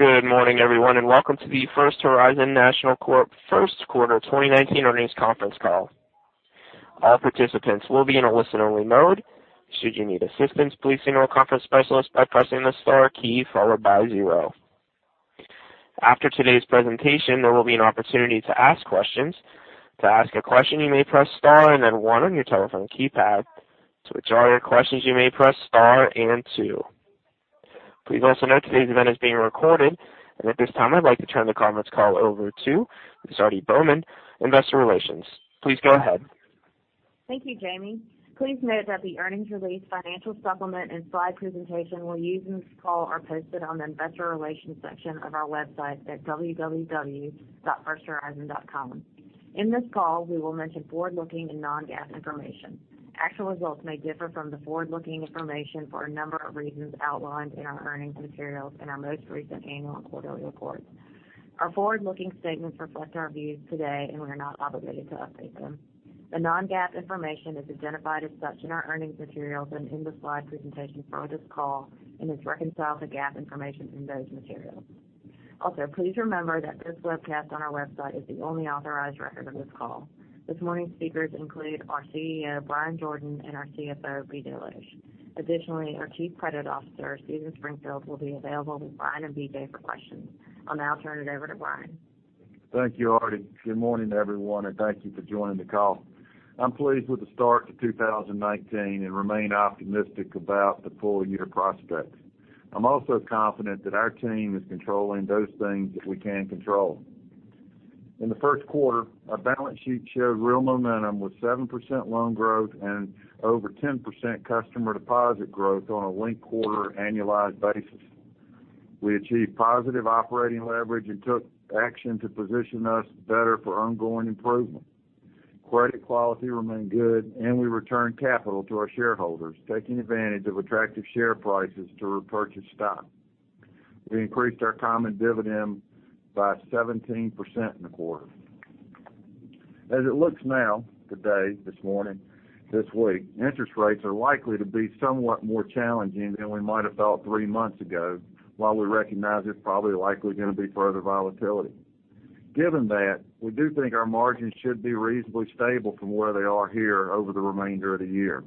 Good morning, everyone, welcome to the First Horizon National Corporation first quarter 2019 earnings conference call. All participants will be in a listen-only mode. Should you need assistance, please signal a conference specialist by pressing the star key followed by zero. After today's presentation, there will be an opportunity to ask questions. To ask a question, you may press star and one on your telephone keypad. To withdraw your questions, you may press star and two. Please also note today's event is being recorded, at this time, I'd like to turn the conference call over to Aarti Bowman, Investor Relations. Please go ahead. Thank you, Jamie. Please note that the earnings release financial supplement and slide presentation we'll use in this call are posted on the investor relations section of our website at www.firsthorizon.com. In this call, we will mention forward-looking and non-GAAP information. Actual results may differ from the forward-looking information for a number of reasons outlined in our earnings materials and our most recent annual and quarterly reports. Our forward-looking statements reflect our views today, we are not obligated to update them. The non-GAAP information is identified as such in our earnings materials and in the slide presentation for this call and is reconciled to GAAP information in those materials. Please remember that this webcast on our website is the only authorized record of this call. This morning's speakers include our CEO, Bryan Jordan, and our CFO, Hope Dmuchowski. Our Chief Credit Officer, Susan Springfield, will be available with Bryan and BJ for questions. I'll now turn it over to Bryan. Thank you, Aarti. Good morning, everyone, thank you for joining the call. I'm pleased with the start to 2019 and remain optimistic about the full-year prospects. I'm also confident that our team is controlling those things that we can control. In the first quarter, our balance sheet showed real momentum with 7% loan growth and over 10% customer deposit growth on a linked-quarter annualized basis. We achieved positive operating leverage and took action to position us better for ongoing improvement. Credit quality remained good, we returned capital to our shareholders, taking advantage of attractive share prices to repurchase stock. We increased our common dividend by 17% in the quarter. As it looks now, today, this morning, this week, interest rates are likely to be somewhat more challenging than we might have felt three months ago, while we recognize there's probably likely going to be further volatility. Given that, we do think our margins should be reasonably stable from where they are here over the remainder of the year.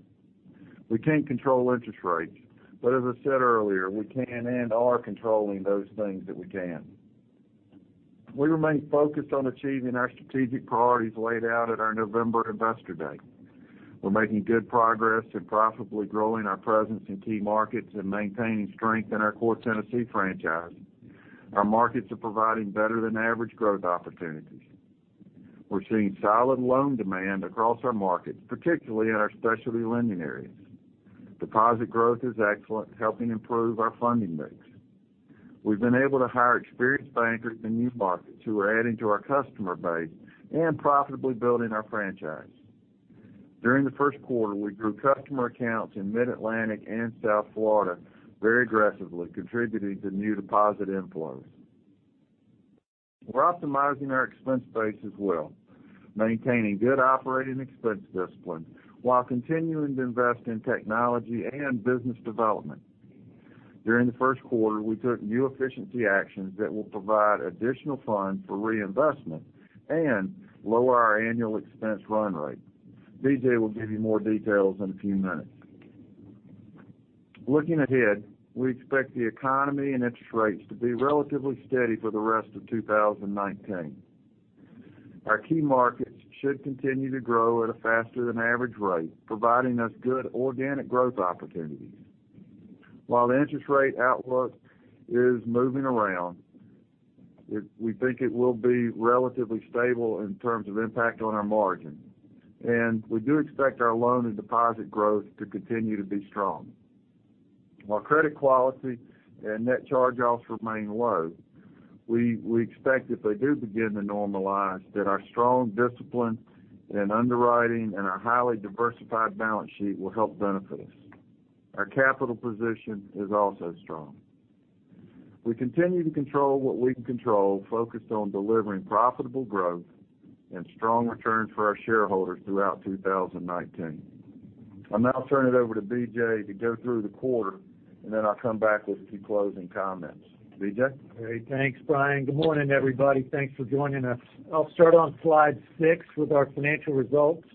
We can't control interest rates, but as I said earlier, we can and are controlling those things that we can. We remain focused on achieving our strategic priorities laid out at our November Investor Day. We're making good progress in profitably growing our presence in key markets and maintaining strength in our core Tennessee franchise. Our markets are providing better than average growth opportunities. We're seeing solid loan demand across our markets, particularly in our specialty lending areas. Deposit growth is excellent, helping improve our funding mix. We've been able to hire experienced bankers in new markets who are adding to our customer base and profitably building our franchise. During the first quarter, we grew customer accounts in Mid-Atlantic and South Florida very aggressively, contributing to new deposit inflows. We're optimizing our expense base as well, maintaining good operating expense discipline while continuing to invest in technology and business development. During the first quarter, we took new efficiency actions that will provide additional funds for reinvestment and lower our annual expense run rate. BJ will give you more details in a few minutes. Looking ahead, we expect the economy and interest rates to be relatively steady for the rest of 2019. Our key markets should continue to grow at a faster than average rate, providing us good organic growth opportunities. While the interest rate outlook is moving around, we think it will be relatively stable in terms of impact on our margin, and we do expect our loan and deposit growth to continue to be strong. While credit quality and net charge-offs remain low, we expect if they do begin to normalize, that our strong discipline in underwriting and our highly diversified balance sheet will help benefit us. Our capital position is also strong. We continue to control what we can control, focused on delivering profitable growth and strong returns for our shareholders throughout 2019. I'll now turn it over to BJ to go through the quarter, and then I'll come back with a few closing comments. BJ? Great. Thanks, Bryan. Good morning, everybody. Thanks for joining us. I'll start on slide six with our financial results.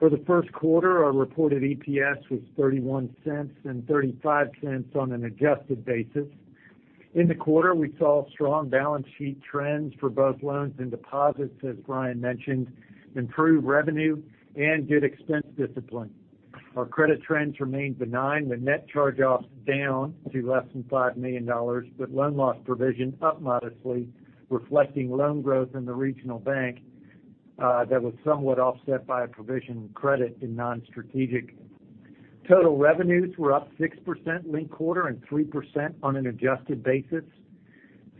For the first quarter, our reported EPS was $0.31 and $0.35 on an adjusted basis. In the quarter, we saw strong balance sheet trends for both loans and deposits, as Bryan mentioned, improved revenue, and good expense discipline. Our credit trends remained benign, with net charge-offs down to less than $5 million, but loan loss provision up modestly, reflecting loan growth in the regional bank that was somewhat offset by a provision credit in non-strategic. Total revenues were up 6% linked quarter and 3% on an adjusted basis.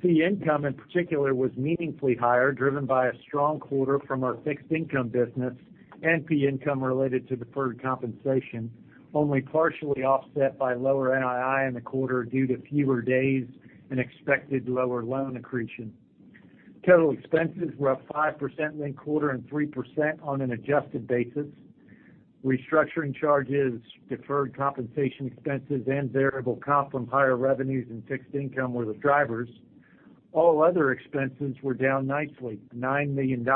Fee income, in particular, was meaningfully higher, driven by a strong quarter from our fixed income business and fee income related to deferred compensation, only partially offset by lower NII in the quarter due to fewer days and expected lower loan accretion. Total expenses were up 5% linked quarter and 3% on an adjusted basis. Restructuring charges, deferred compensation expenses, and variable comp from higher revenues and fixed income were the drivers. All other expenses were down nicely, $9 million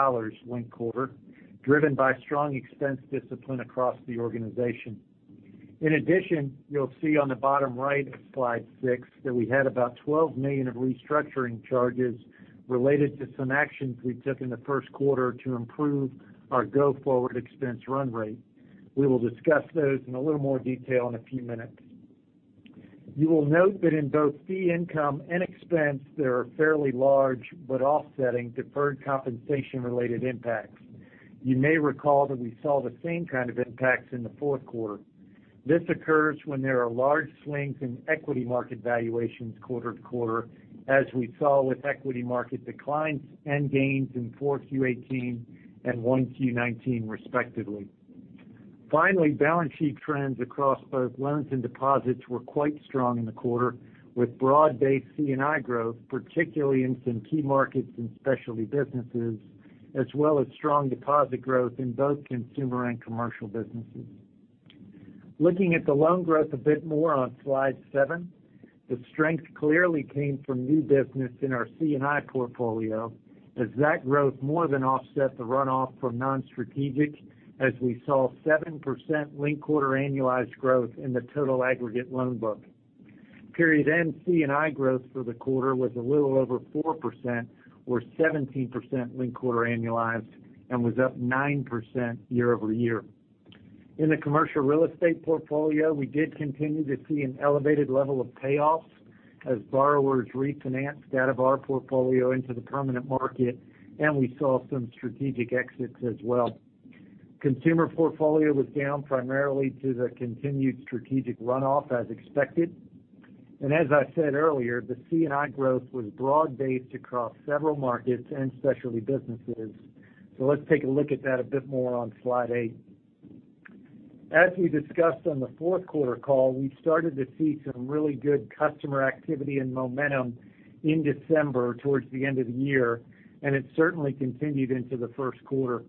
linked quarter, driven by strong expense discipline across the organization. In addition, you'll see on the bottom right of slide six that we had about $12 million of restructuring charges related to some actions we took in the first quarter to improve our go-forward expense run rate. We will discuss those in a little more detail in a few minutes. You will note that in both fee income and expense, there are fairly large but offsetting deferred compensation related impacts. You may recall that we saw the same kind of impacts in the fourth quarter. This occurs when there are large swings in equity market valuations quarter to quarter, as we saw with equity market declines and gains in 4Q 2018 and 1Q 2019 respectively. Balance sheet trends across both loans and deposits were quite strong in the quarter, with broad-based C&I growth, particularly in some key markets and specialty businesses, as well as strong deposit growth in both consumer and commercial businesses. Looking at the loan growth a bit more on slide seven, the strength clearly came from new business in our C&I portfolio, as that growth more than offset the runoff from non-strategic as we saw 7% linked quarter annualized growth in the total aggregate loan book. Period end C&I growth for the quarter was a little over 4%, or 17% linked quarter annualized, and was up 9% year-over-year. In the commercial real estate portfolio, we did continue to see an elevated level of payoffs as borrowers refinanced out of our portfolio into the permanent market, and we saw some strategic exits as well. Consumer portfolio was down primarily due to the continued strategic runoff as expected. As I said earlier, the C&I growth was broad-based across several markets and specialty businesses. Let's take a look at that a bit more on slide eight. As we discussed on the fourth quarter call, we started to see some really good customer activity and momentum in December towards the end of the year, and it certainly continued into the first quarter.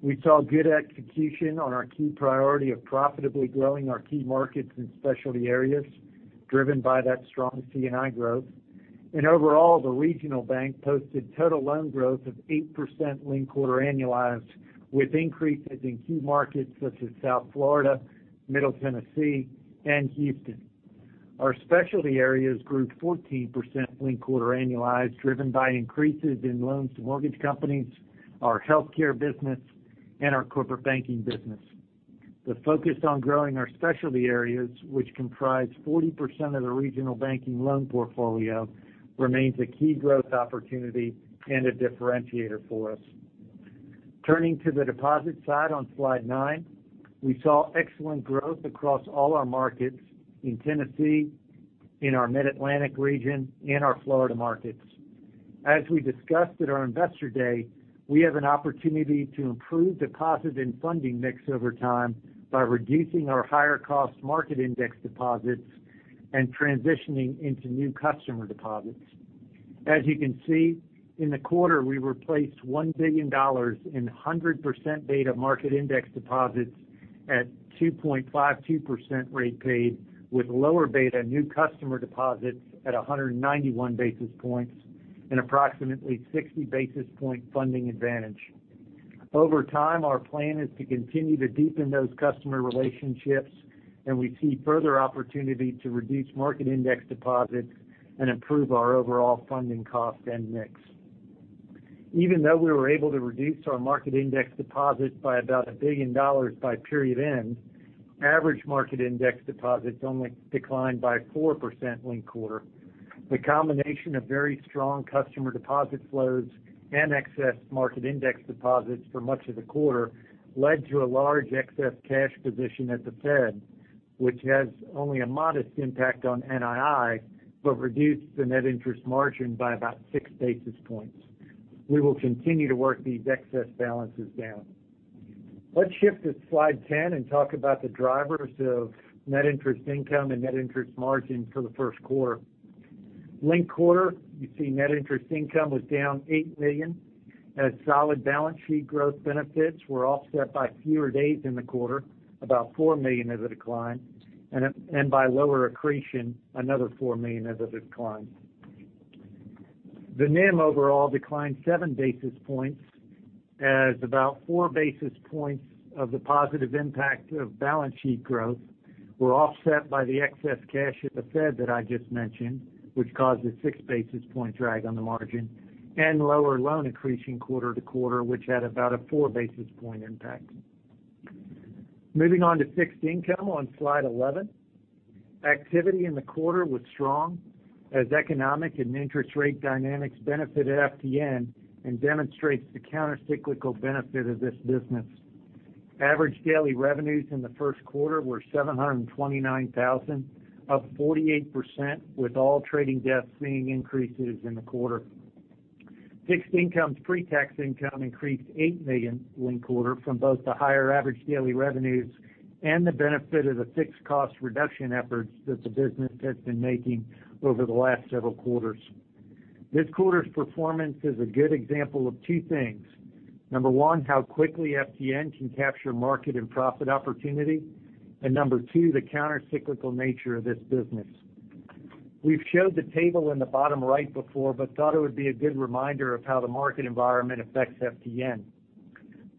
We saw good execution on our key priority of profitably growing our key markets and specialty areas, driven by that strong C&I growth. Overall, the regional bank posted total loan growth of 8% linked quarter annualized, with increases in key markets such as South Florida, Middle Tennessee, and Houston. Our specialty areas grew 14% linked quarter annualized, driven by increases in loans to mortgage companies, our healthcare business, and our corporate banking business. The focus on growing our specialty areas, which comprise 40% of the regional banking loan portfolio, remains a key growth opportunity and a differentiator for us. Turning to the deposit side on slide nine, we saw excellent growth across all our markets in Tennessee, in our Mid-Atlantic region, and our Florida markets. As we discussed at our Investor Day, we have an opportunity to improve deposit and funding mix over time by reducing our higher cost market index deposits and transitioning into new customer deposits. As you can see, in the quarter, we replaced $1 billion in 100% beta market index deposits at 2.52% rate paid with lower beta new customer deposits at 191 basis points and approximately 60 basis point funding advantage. Over time, our plan is to continue to deepen those customer relationships, and we see further opportunity to reduce market index deposits and improve our overall funding cost and mix. Even though we were able to reduce our market index deposits by about $1 billion by period end, average market index deposits only declined by 4% linked quarter. The combination of very strong customer deposit flows and excess market index deposits for much of the quarter led to a large excess cash position at the Fed, which has only a modest impact on NII, but reduced the net interest margin by about six basis points. We will continue to work these excess balances down. Let's shift to slide 10 and talk about the drivers of net interest income and net interest margin for the first quarter. Linked quarter, you see net interest income was down $8 million as solid balance sheet growth benefits were offset by fewer days in the quarter, about $4 million is the decline, and by lower accretion, another $4 million is the decline. The NIM overall declined seven basis points as about four basis points of the positive impact of balance sheet growth were offset by the excess cash at the Fed that I just mentioned, which causes six basis point drag on the margin and lower loan accretion quarter to quarter, which had about a four basis point impact. Moving on to fixed income on slide 11. Activity in the quarter was strong as economic and interest rate dynamics benefited FTN and demonstrates the countercyclical benefit of this business. Average daily revenues in the first quarter were $729,000, up 48%, with all trading desks seeing increases in the quarter. Fixed income's pre-tax income increased $8 million linked quarter from both the higher average daily revenues and the benefit of the fixed cost reduction efforts that the business has been making over the last several quarters. This quarter's performance is a good example of two things. Number 1, how quickly FTN can capture market and profit opportunity, and Number 2, the counter-cyclical nature of this business. We've showed the table in the bottom right before, but thought it would be a good reminder of how the market environment affects FTN.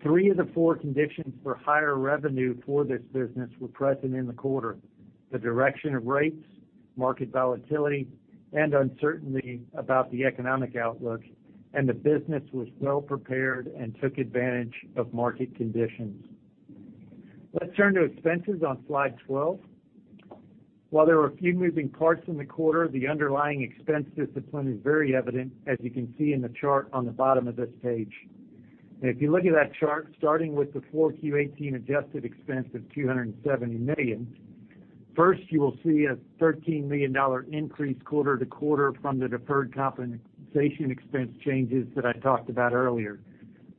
Three of the four conditions for higher revenue for this business were present in the quarter, the direction of rates, market volatility, and uncertainty about the economic outlook, and the business was well-prepared and took advantage of market conditions. Let's turn to expenses on slide 12. While there were a few moving parts in the quarter, the underlying expense discipline is very evident, as you can see in the chart on the bottom of this page. If you look at that chart, starting with the 4Q18 adjusted expense of $270 million, first, you will see a $13 million increase quarter to quarter from the deferred compensation expense changes that I talked about earlier.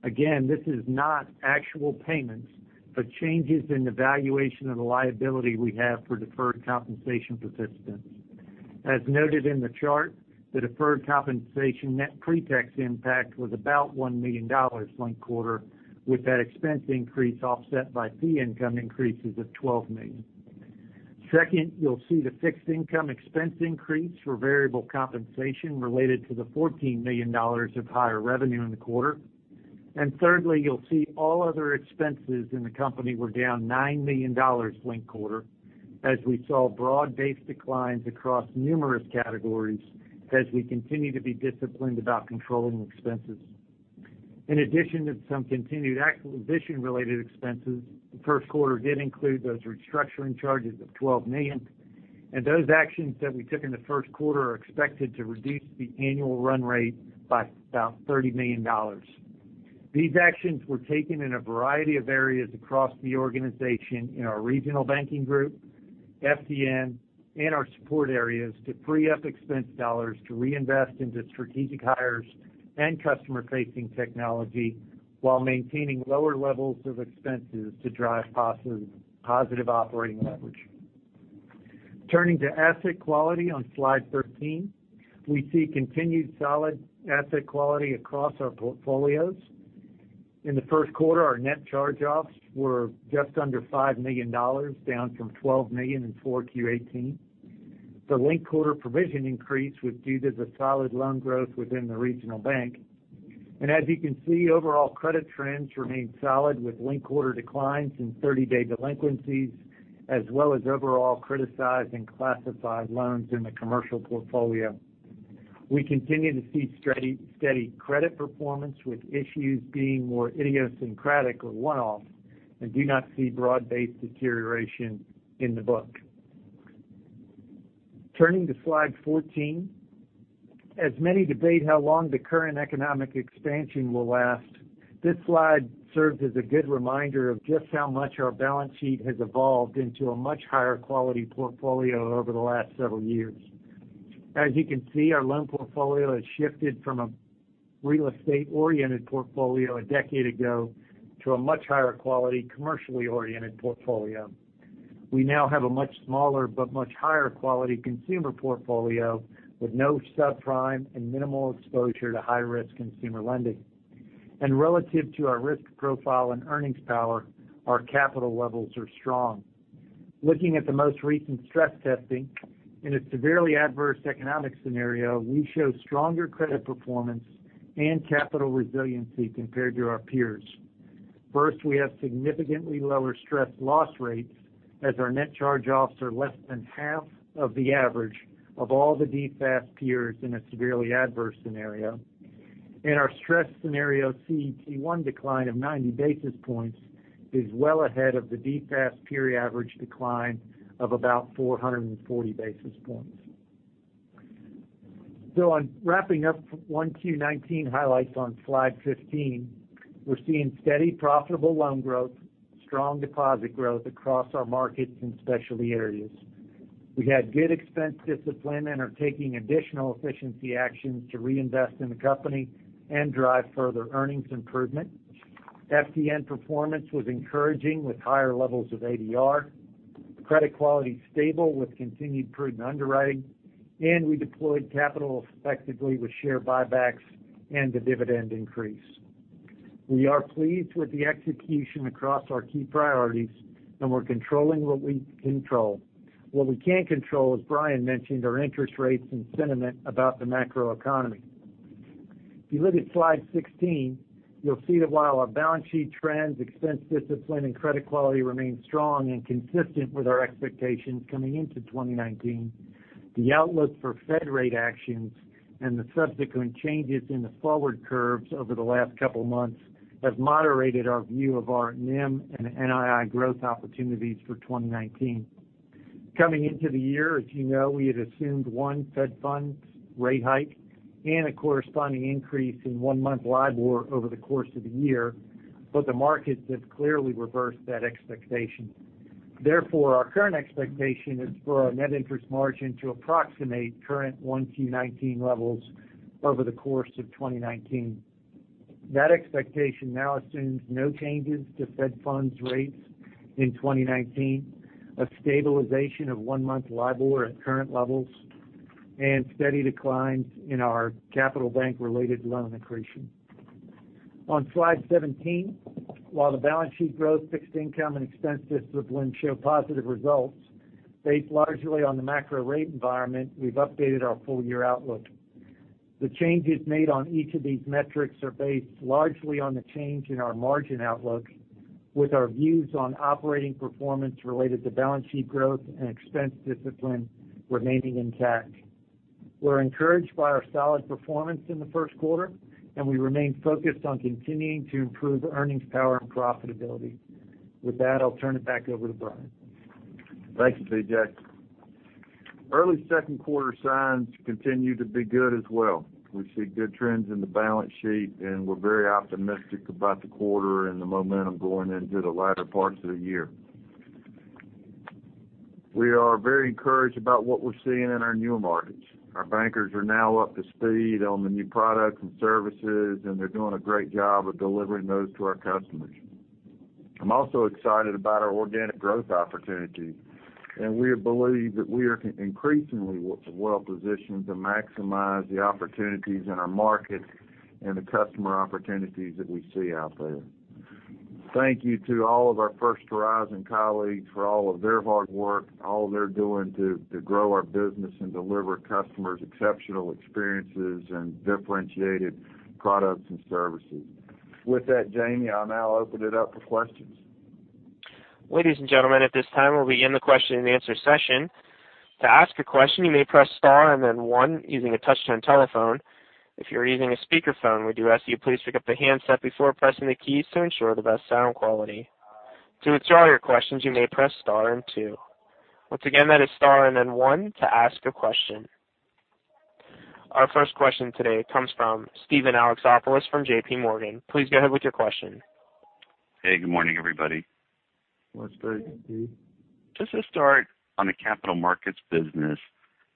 Again, this is not actual payments, but changes in the valuation of the liability we have for deferred compensation participants. As noted in the chart, the deferred compensation net pre-tax impact was about $1 million linked quarter, with that expense increase offset by fee income increases of $12 million. Second, you'll see the fixed income expense increase for variable compensation related to the $14 million of higher revenue in the quarter. Thirdly, you'll see all other expenses in the company were down $9 million linked quarter, as we saw broad-based declines across numerous categories as we continue to be disciplined about controlling expenses. In addition to some continued acquisition-related expenses, the first quarter did include those restructuring charges of $12 million. Those actions that we took in the first quarter are expected to reduce the annual run rate by about $30 million. These actions were taken in a variety of areas across the organization in our regional banking group, FTN, and our support areas to free up expense dollars to reinvest into strategic hires and customer-facing technology while maintaining lower levels of expenses to drive positive operating leverage. Turning to asset quality on slide 13. We see continued solid asset quality across our portfolios. In the first quarter, our net charge-offs were just under $5 million, down from $12 million in 4Q18. The linked-quarter provision increase was due to the solid loan growth within the regional bank. As you can see, overall credit trends remained solid with linked-quarter declines in 30-day delinquencies, as well as overall criticized and classified loans in the commercial portfolio. We continue to see steady credit performance, with issues being more idiosyncratic or one-off, and do not see broad-based deterioration in the book. Turning to slide 14. As many debate how long the current economic expansion will last, this slide serves as a good reminder of just how much our balance sheet has evolved into a much higher quality portfolio over the last several years. As you can see, our loan portfolio has shifted from a real estate-oriented portfolio a decade ago to a much higher quality, commercially oriented portfolio. We now have a much smaller but much higher quality consumer portfolio with no subprime and minimal exposure to high-risk consumer lending. Relative to our risk profile and earnings power, our capital levels are strong. Looking at the most recent stress testing, in a severely adverse scenario, we show stronger credit performance and capital resiliency compared to our peers. First, we have significantly lower stressed loss rates, as our net charge-offs are less than half of the average of all the DFAST peers in a severely adverse scenario. Our stress scenario CET1 decline of 90 basis points is well ahead of the DFAST peer average decline of about 440 basis points. Wrapping up 1Q19 highlights on slide 15, we're seeing steady profitable loan growth, strong deposit growth across our markets and specialty areas. We had good expense discipline and are taking additional efficiency actions to reinvest in the company and drive further earnings improvement. FTN performance was encouraging with higher levels of ADR. Credit quality is stable with continued prudent underwriting, and we deployed capital effectively with share buybacks and a dividend increase. We are pleased with the execution across our key priorities, and we're controlling what we can control. What we can't control, as Bryan mentioned, are interest rates and sentiment about the macroeconomy. If you look at slide 16, you'll see that while our balance sheet trends, expense discipline, and credit quality remain strong and consistent with our expectations coming into 2019, the outlook for Fed rate actions and the subsequent changes in the forward curves over the last couple of months have moderated our view of our NIM and NII growth opportunities for 2019. Coming into the year, as you know, we had assumed one Fed funds rate hike and a corresponding increase in one-month LIBOR over the course of the year, but the markets have clearly reversed that expectation. Therefore, our current expectation is for our net interest margin to approximate current 1Q19 levels over the course of 2019. That expectation now assumes no changes to Fed funds rates in 2019, a stabilization of one-month LIBOR at current levels, and steady declines in our Capital Bank-related loan accretion. Slide 17, while the balance sheet growth, fixed income, and expense discipline show positive results based largely on the macro rate environment, we've updated our full-year outlook. The changes made on each of these metrics are based largely on the change in our margin outlook, with our views on operating performance related to balance sheet growth and expense discipline remaining intact. We're encouraged by our solid performance in the first quarter, and we remain focused on continuing to improve earnings power and profitability. With that, I'll turn it back over to Brian. Thank you, BJ. Early second quarter signs continue to be good as well. We see good trends in the balance sheet, and we're very optimistic about the quarter and the momentum going into the latter parts of the year. We are very encouraged about what we're seeing in our newer markets. Our bankers are now up to speed on the new products and services, and they're doing a great job of delivering those to our customers. I'm also excited about our organic growth opportunities, and we believe that we are increasingly well-positioned to maximize the opportunities in our markets and the customer opportunities that we see out there. Thank you to all of our First Horizon colleagues for all of their hard work and all they're doing to grow our business and deliver customers exceptional experiences and differentiated products and services. With that, Jaime, I'll now open it up for questions. Ladies and gentlemen, at this time, we'll begin the question and answer session. To ask a question, you may press star and then one using a touchtone telephone. If you're using a speakerphone, we do ask you please pick up the handset before pressing the keys to ensure the best sound quality. To withdraw your questions, you may press star and two. Once again, that is star and then one to ask a question. Our first question today comes from Steven Alexopoulos from JPMorgan. Please go ahead with your question. Hey, good morning, everybody. Morning, Steve. Good morning. Just to start on the capital markets business,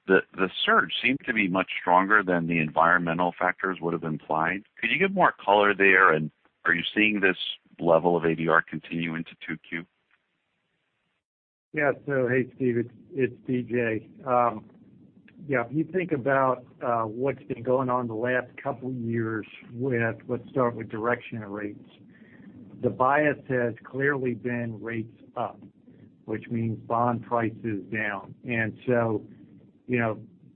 the surge seemed to be much stronger than the environmental factors would have implied. Could you give more color there, and are you seeing this level of ADR continue into 2Q? Yeah. Hey, Steve, it's BJ. Yeah, if you think about what's been going on the last couple of years with, let's start with direction of rates. The bias has clearly been rates up, which means bond prices down.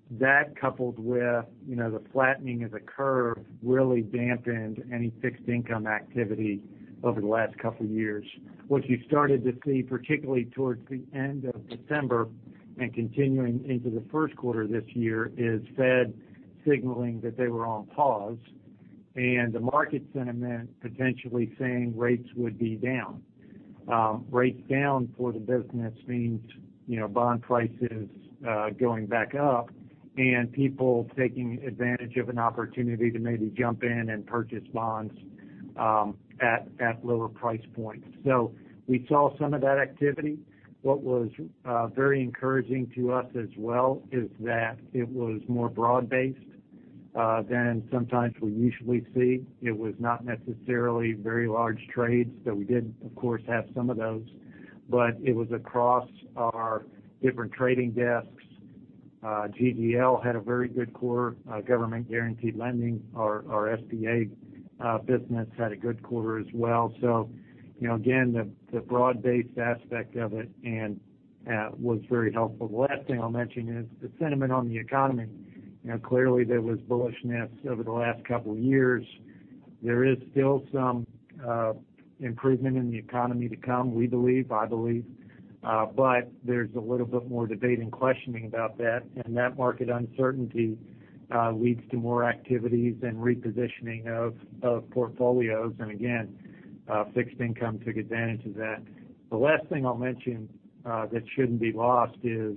That coupled with the flattening of the curve really dampened any fixed income activity over the last couple of years. What you started to see, particularly towards the end of September and continuing into the first quarter this year, is Fed signaling that they were on pause, the market sentiment potentially saying rates would be down. Rates down for the business means bond prices going back up and people taking advantage of an opportunity to maybe jump in and purchase bonds at lower price points. We saw some of that activity. What was very encouraging to us as well is that it was more broad-based than sometimes we usually see. It was not necessarily very large trades, though we did, of course, have some of those, but it was across our different trading desks. GGL had a very good quarter, government guaranteed lending. Our SBA business had a good quarter as well. Again, the broad-based aspect of it was very helpful. The last thing I'll mention is the sentiment on the economy. Clearly, there was bullishness over the last couple of years. There is still some improvement in the economy to come, we believe, I believe, but there's a little bit more debate and questioning about that. That market uncertainty leads to more activities and repositioning of portfolios. Again, fixed income took advantage of that. The last thing I'll mention that shouldn't be lost is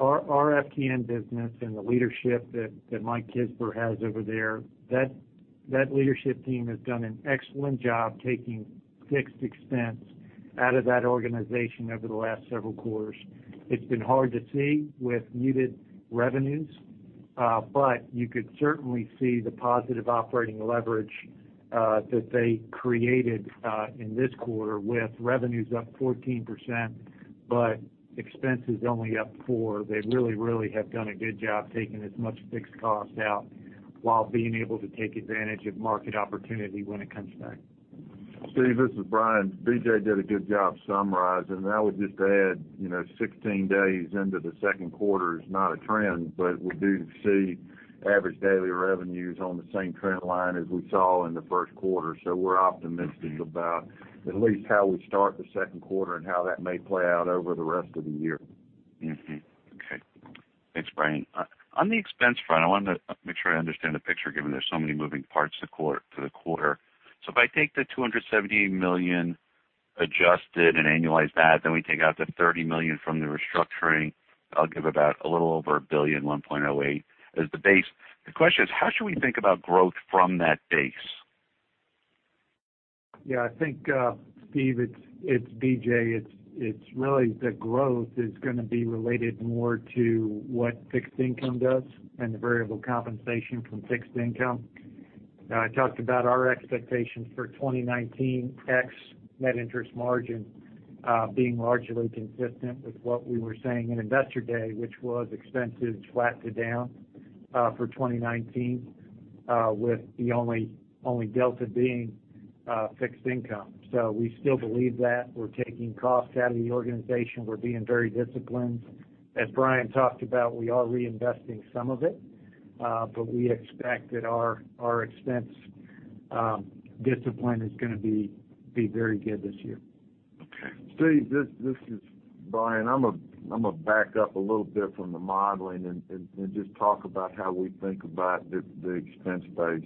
our FTN business and the leadership that Mike Kisber has over there. That leadership team has done an excellent job taking fixed expense out of that organization over the last several quarters. It's been hard to see with muted revenues, but you could certainly see the positive operating leverage that they created in this quarter with revenues up 14%, but expenses only up 4%. They really have done a good job taking as much fixed cost out while being able to take advantage of market opportunity when it comes back. Steve, this is Brian. BJ did a good job summarizing. I would just add, 16 days into the second quarter is not a trend, but we do see average daily revenues on the same trend line as we saw in the first quarter. We're optimistic about at least how we start the second quarter and how that may play out over the rest of the year. Okay. Thanks, Brian. On the expense front, I wanted to make sure I understand the picture, given there's so many moving parts to the quarter. If I take the $278 million adjusted and annualize that, then we take out the $30 million from the restructuring. I'll give about a little over $1 billion, $1.08 as the base. The question is, how should we think about growth from that base? Steve, it's BJ. It's really the growth is going to be related more to what fixed income does and the variable compensation from fixed income. I talked about our expectations for 2019, ex net interest margin, being largely consistent with what we were saying in Investor Day, which was expenses flat to down, for 2019, with the only delta being fixed income. We still believe that. We're taking costs out of the organization. We're being very disciplined. As Brian talked about, we are reinvesting some of it, but we expect that our expense discipline is going to be very good this year. Okay. Steve, this is Brian. I'm going to back up a little bit from the modeling and just talk about how we think about the expense base.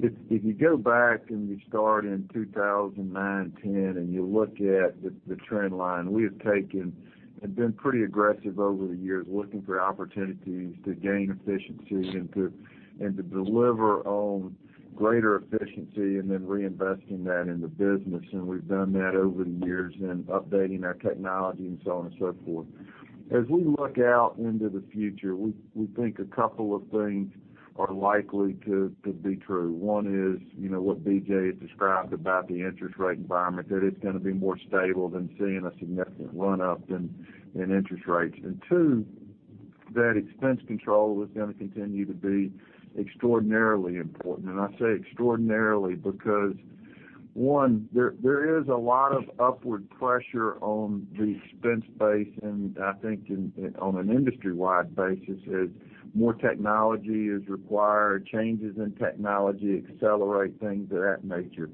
If you go back and you start in 2009, 2010, and you look at the trend line, we have taken and been pretty aggressive over the years looking for opportunities to gain efficiency and to deliver on greater efficiency and then reinvesting that in the business. We've done that over the years in updating our technology so on and so forth. As we look out into the future, we think a couple of things are likely to be true. One is, what BJ has described about the interest rate environment, that it's going to be more stable than seeing a significant run-up in interest rates. Two, that expense control is going to continue to be extraordinarily important. I say extraordinarily because, one, there is a lot of upward pressure on the expense base. I think on an industry-wide basis, as more technology is required, changes in technology accelerate things of that nature.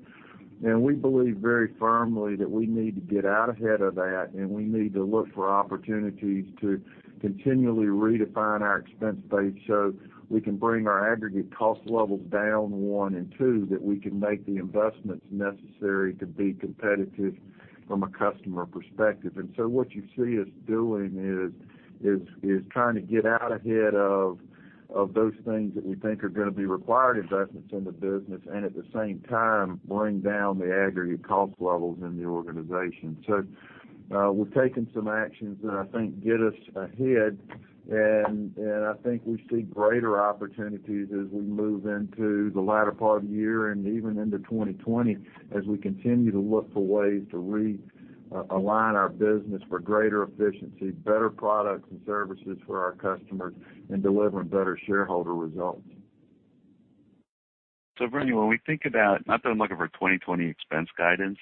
We believe very firmly that we need to get out ahead of that, and we need to look for opportunities to continually redefine our expense base so we can bring our aggregate cost levels down, one, and two, that we can make the investments necessary to be competitive from a customer perspective. What you see us doing is trying to get out ahead of those things that we think are going to be required investments in the business and at the same time bring down the aggregate cost levels in the organization. We've taken some actions that I think get us ahead, I think we see greater opportunities as we move into the latter part of the year and even into 2020 as we continue to look for ways to realign our business for greater efficiency, better products and services for our customers, and delivering better shareholder results. Bryan, when we think about, not that I'm looking for 2020 expense guidance,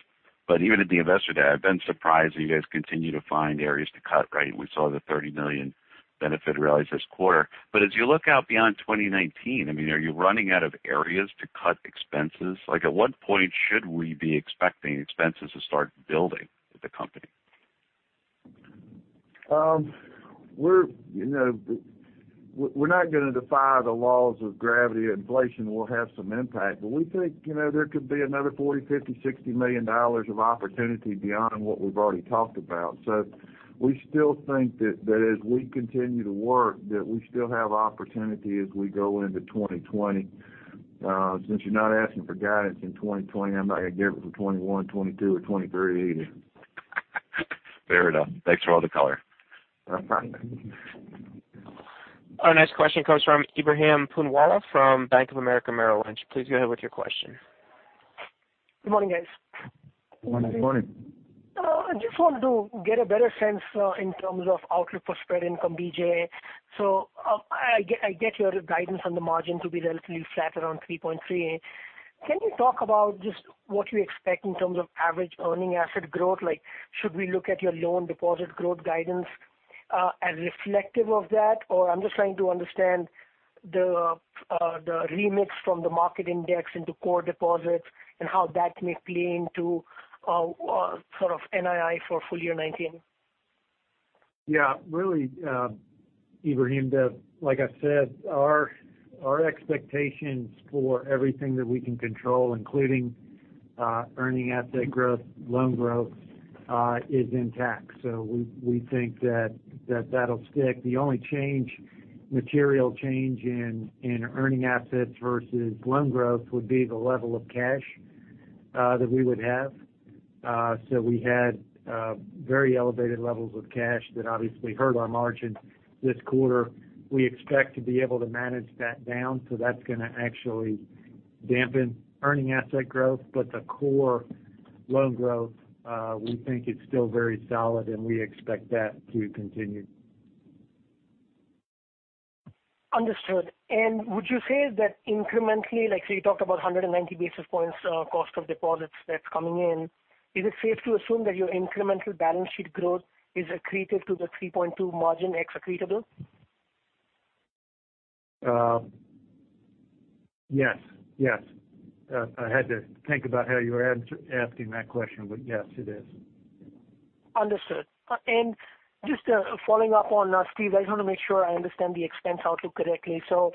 but even at the Investor Day, I've been surprised that you guys continue to find areas to cut, right? We saw the $30 million benefit realized this quarter. As you look out beyond 2019, are you running out of areas to cut expenses? At what point should we be expecting expenses to start building at the company? We're not going to defy the laws of gravity. Inflation will have some impact, we think there could be another $40 million, $50 million, $60 million of opportunity beyond what we've already talked about. We still think that as we continue to work, that we still have opportunity as we go into 2020. Since you're not asking for guidance in 2020, I'm not going to give it for 2021, 2022, or 2023 either. Fair enough. Thanks for all the color. No problem. Our next question comes from Ebrahim Poonawala from Bank of America Merrill Lynch. Please go ahead with your question. Good morning, guys. Morning. Morning. I just wanted to get a better sense in terms of outlook for spread income, BJ. I get your guidance on the margin to be relatively flat around 3.38. Can you talk about just what you expect in terms of average earning asset growth? Should we look at your loan deposit growth guidance, as reflective of that? I'm just trying to understand the remix from the market index into core deposits and how that may play into NII for full year 2019. Really, Ebrahim, like I said, our expectations for everything that we can control, including earning asset growth, loan growth, is intact. We think that that'll stick. The only material change in earning assets versus loan growth would be the level of cash that we would have. We had very elevated levels of cash that obviously hurt our margin this quarter. We expect to be able to manage that down, that's going to actually dampen earning asset growth. The core loan growth, we think it's still very solid, and we expect that to continue. Understood. Would you say that incrementally, you talked about 190 basis points cost of deposits that's coming in. Is it safe to assume that your incremental balance sheet growth is accretive to the 3.2 margin ex-accretable? Yes. I had to think about how you were asking that question, but yes, it is. Understood. Just following up on Steve, I just want to make sure I understand the expense outlook correctly. You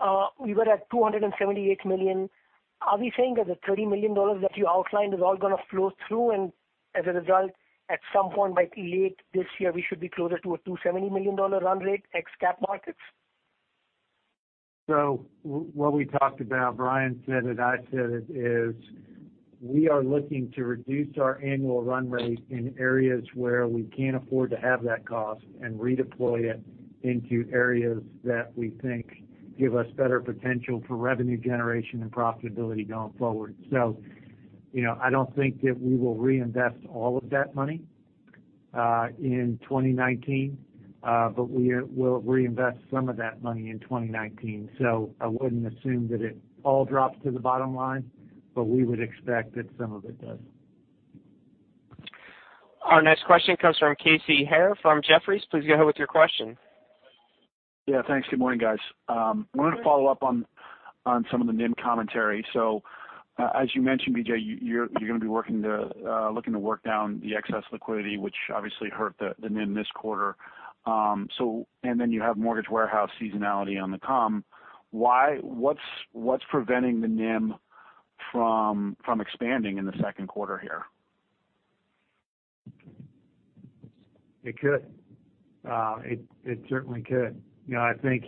were at $278 million. Are we saying that the $30 million that you outlined is all going to flow through and as a result, at some point by late this year, we should be closer to a $270 million run rate ex cap markets? What we talked about, Brian said it, I said it, is we are looking to reduce our annual run rate in areas where we can't afford to have that cost and redeploy it into areas that we think give us better potential for revenue generation and profitability going forward. I don't think that we will reinvest all of that money in 2019, but we'll reinvest some of that money in 2019. I wouldn't assume that it all drops to the bottom line, but we would expect that some of it does. Our next question comes from Casey Haire from Jefferies. Please go ahead with your question. Thanks. Good morning, guys. I wanted to follow up on some of the NIM commentary. As you mentioned, BJ, you're going to be looking to work down the excess liquidity, which obviously hurt the NIM this quarter. You have mortgage warehouse seasonality on the come. What's preventing the NIM from expanding in the second quarter here? It could. It certainly could. I think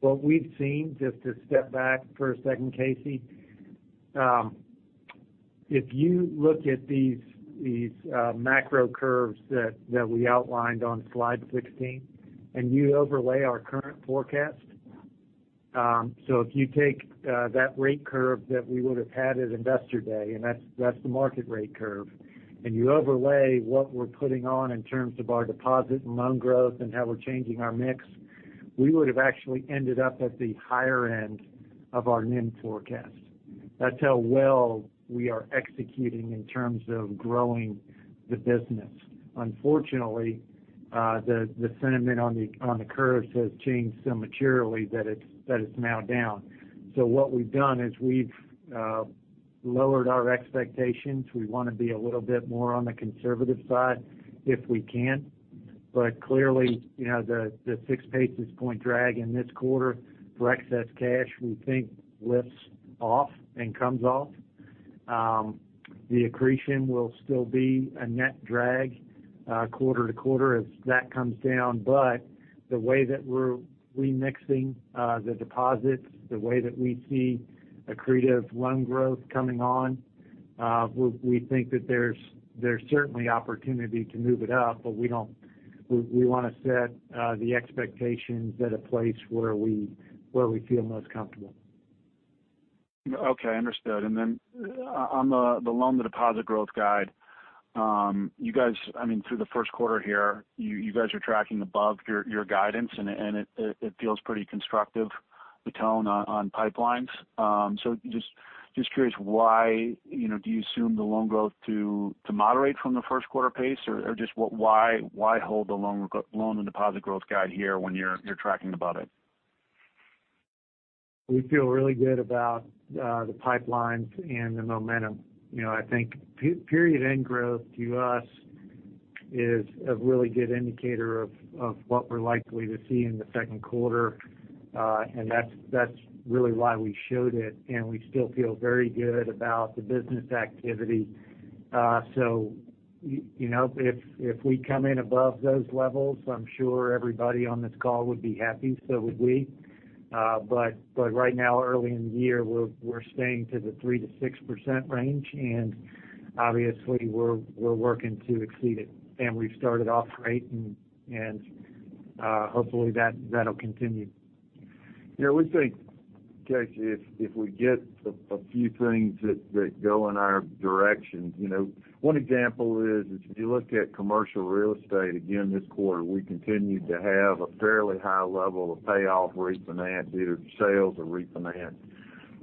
what we've seen, just to step back for a second, Casey, if you look at these macro curves that we outlined on slide 16, you overlay our current forecast. If you take that rate curve that we would've had at Investor Day, that's the market rate curve, you overlay what we're putting on in terms of our deposit and loan growth and how we're changing our mix, we would've actually ended up at the higher end of our NIM forecast. That's how well we are executing in terms of growing the business. Unfortunately, the sentiment on the curve has changed so materially that it's now down. What we've done is we've lowered our expectations. We want to be a little bit more on the conservative side if we can. Clearly, the six basis point drag in this quarter for excess cash, we think lifts off and comes off. The accretion will still be a net drag, quarter to quarter as that comes down. The way that we're remixing the deposits, the way that we see accretive loan growth coming on, we think that there's certainly opportunity to move it up, but we want to set the expectations at a place where we feel most comfortable. Okay, understood. On the loan to deposit growth guide, through the first quarter here, you guys are tracking above your guidance, it feels pretty constructive, the tone on pipelines. Just curious why, do you assume the loan growth to moderate from the first quarter pace? Just why hold the loan to deposit growth guide here when you're tracking above it? We feel really good about the pipelines and the momentum. I think period end growth to us is a really good indicator of what we're likely to see in the second quarter. That's really why we showed it, and we still feel very good about the business activity. If we come in above those levels, I'm sure everybody on this call would be happy, so would we. Right now, early in the year, we're staying to the 3%-6% range, and obviously, we're working to exceed it. We've started off great and hopefully, that'll continue. Yeah, we think, Casey, if we get a few things that go in our direction. One example is if you look at commercial real estate again this quarter, we continued to have a fairly high level of payoff refinance, either sales or refinance,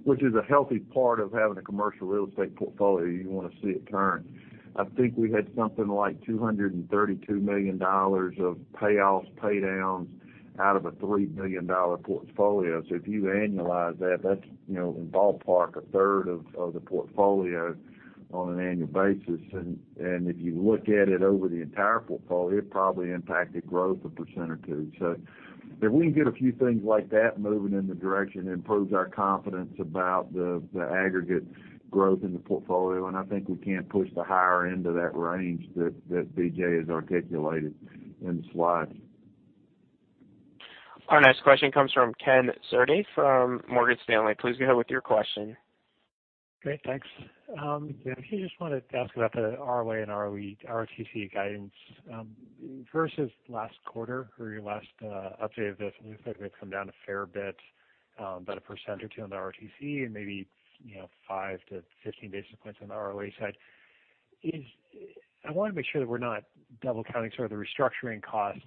which is a healthy part of having a commercial real estate portfolio. You want to see it turn. I think we had something like $232 million of payoffs, pay downs out of a $3 billion portfolio. If you annualize that's in ballpark a third of the portfolio on an annual basis. If you look at it over the entire portfolio, it probably impacted growth a % or two. If we can get a few things like that moving in the direction, it improves our confidence about the aggregate growth in the portfolio, and I think we can push the higher end of that range that BJ has articulated in the slides. Our next question comes from Ken Zerbe from Morgan Stanley. Please go ahead with your question. Great, thanks. I just wanted to ask about the ROA and ROE, ROTCE guidance. Versus last quarter or your last update of this, it looks like we've come down a fair bit, about 1% or 2% on the ROTCE and maybe, five to 15 basis points on the ROA side. I want to make sure that we're not double counting sort of the restructuring costs.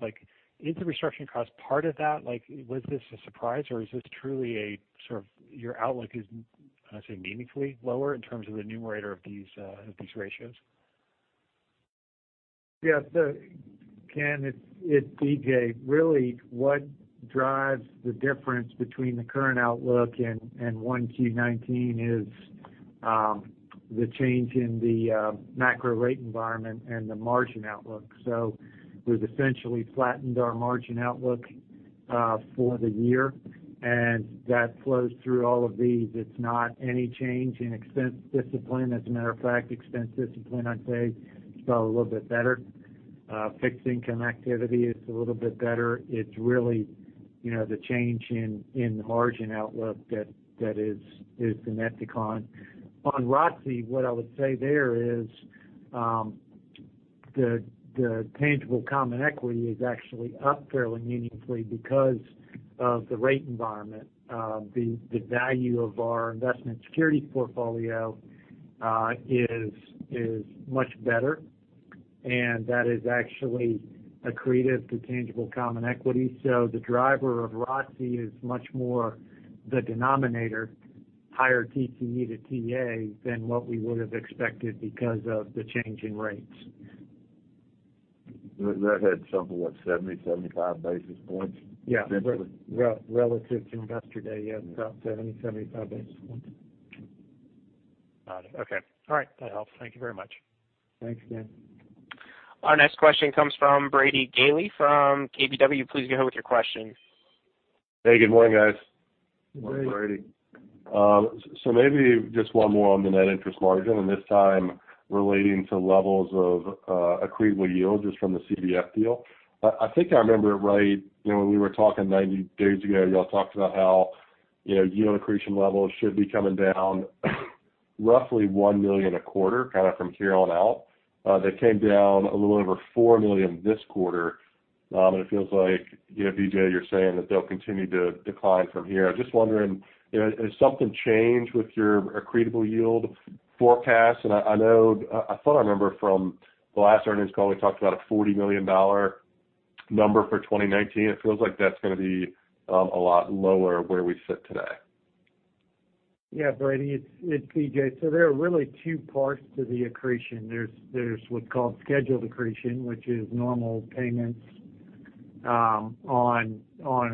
Is the restructuring cost part of that? Was this a surprise, or is this truly a sort of your outlook is, I'd say meaningfully lower in terms of the numerator of these ratios? Yes. Ken, it's B.J. Really what drives the difference between the current outlook and 1Q 2019 is the change in the macro rate environment and the margin outlook. We've essentially flattened our margin outlook for the year, and that flows through all of these. It's not any change in expense discipline. As a matter of fact, expense discipline, I'd say, felt a little bit better. Fixed income activity is a little bit better. It's really the change in margin outlook that is the net decline. On ROTCE, what I would say there is, the tangible common equity is actually up fairly meaningfully because of the rate environment. The value of our investment securities portfolio is much better, and that is actually accretive to tangible common equity. The driver of ROTCE is much more the denominator, higher TCE to TA, than what we would have expected because of the change in rates. That had something like 70, 75 basis points? Yeah. Essentially. Relative to yesterday, yes, about 70, 75 basis points. Got it. Okay. All right, that helps. Thank you very much. Thanks, Ken. Our next question comes from Brady Gailey from KBW. Please go ahead with your question. Hey, good morning, guys. Good morning. Morning, Brady. Maybe just one more on the net interest margin, and this time relating to levels of accreted yield just from the CBF deal. I think I remember it right, when we were talking 90 days ago, y'all talked about how yield accretion levels should be coming down roughly $1 million a quarter from here on out. They came down a little over $4 million this quarter. It feels like, BJ, you're saying that they'll continue to decline from here. I'm just wondering, has something changed with your accretable yield forecast? I thought I remember from the last earnings call, we talked about a $40 million number for 2019. It feels like that's going to be a lot lower where we sit today. Brady, it's BJ. There are really two parts to the accretion. There's what's called scheduled accretion, which is normal payments on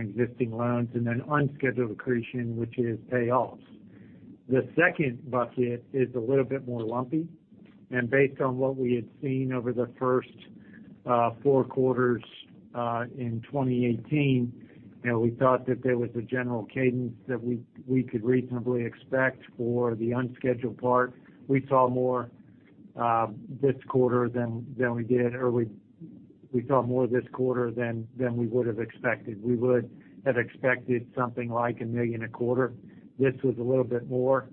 existing loans, and then unscheduled accretion, which is payoffs. The second bucket is a little bit more lumpy, and based on what we had seen over the first four quarters in 2018, we thought that there was a general cadence that we could reasonably expect for the unscheduled part. We saw more this quarter than we would have expected. We would have expected something like $1 million a quarter. This was a little bit more.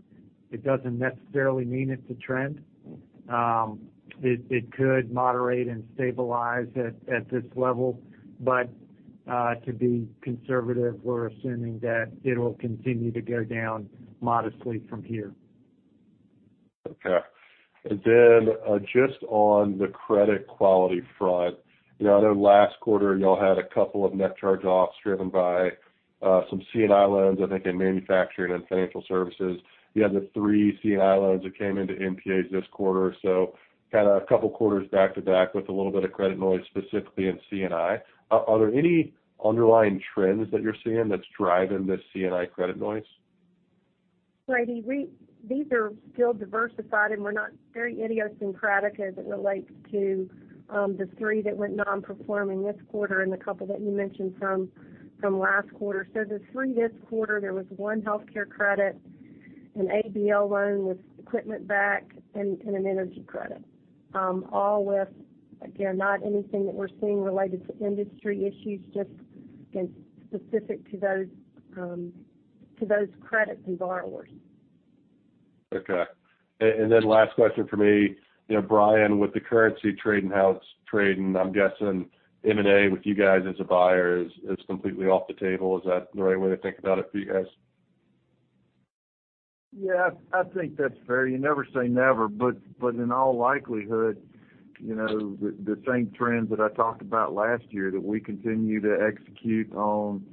It doesn't necessarily mean it's a trend. It could moderate and stabilize at this level. To be conservative, we are assuming that it will continue to go down modestly from here. Okay. Just on the credit quality front, I know last quarter, y'all had a couple of net charge-offs driven by some C&I loans, I think, in manufacturing and financial services. You had the three C&I loans that came into NPAs this quarter. Kind of a couple of quarters back-to-back with a little bit of credit noise specifically in C&I. Are there any underlying trends that you're seeing that's driving this C&I credit noise? Brady, these are still diversified, and we are not very idiosyncratic as it relates to the three that went non-performing this quarter and the couple that you mentioned from last quarter. The three this quarter, there was one healthcare credit, an ABL loan with equipment backed, and an energy credit. All with, again, not anything that we are seeing related to industry issues, just specific to those credits and borrowers. Okay. Last question from me. Brian, with the currency trading, house trading, I am guessing M&A with you guys as a buyer is completely off the table. Is that the right way to think about it for you guys? Yeah, I think that's fair. You never say never, in all likelihood, the same trends that I talked about last year, that we continue to execute on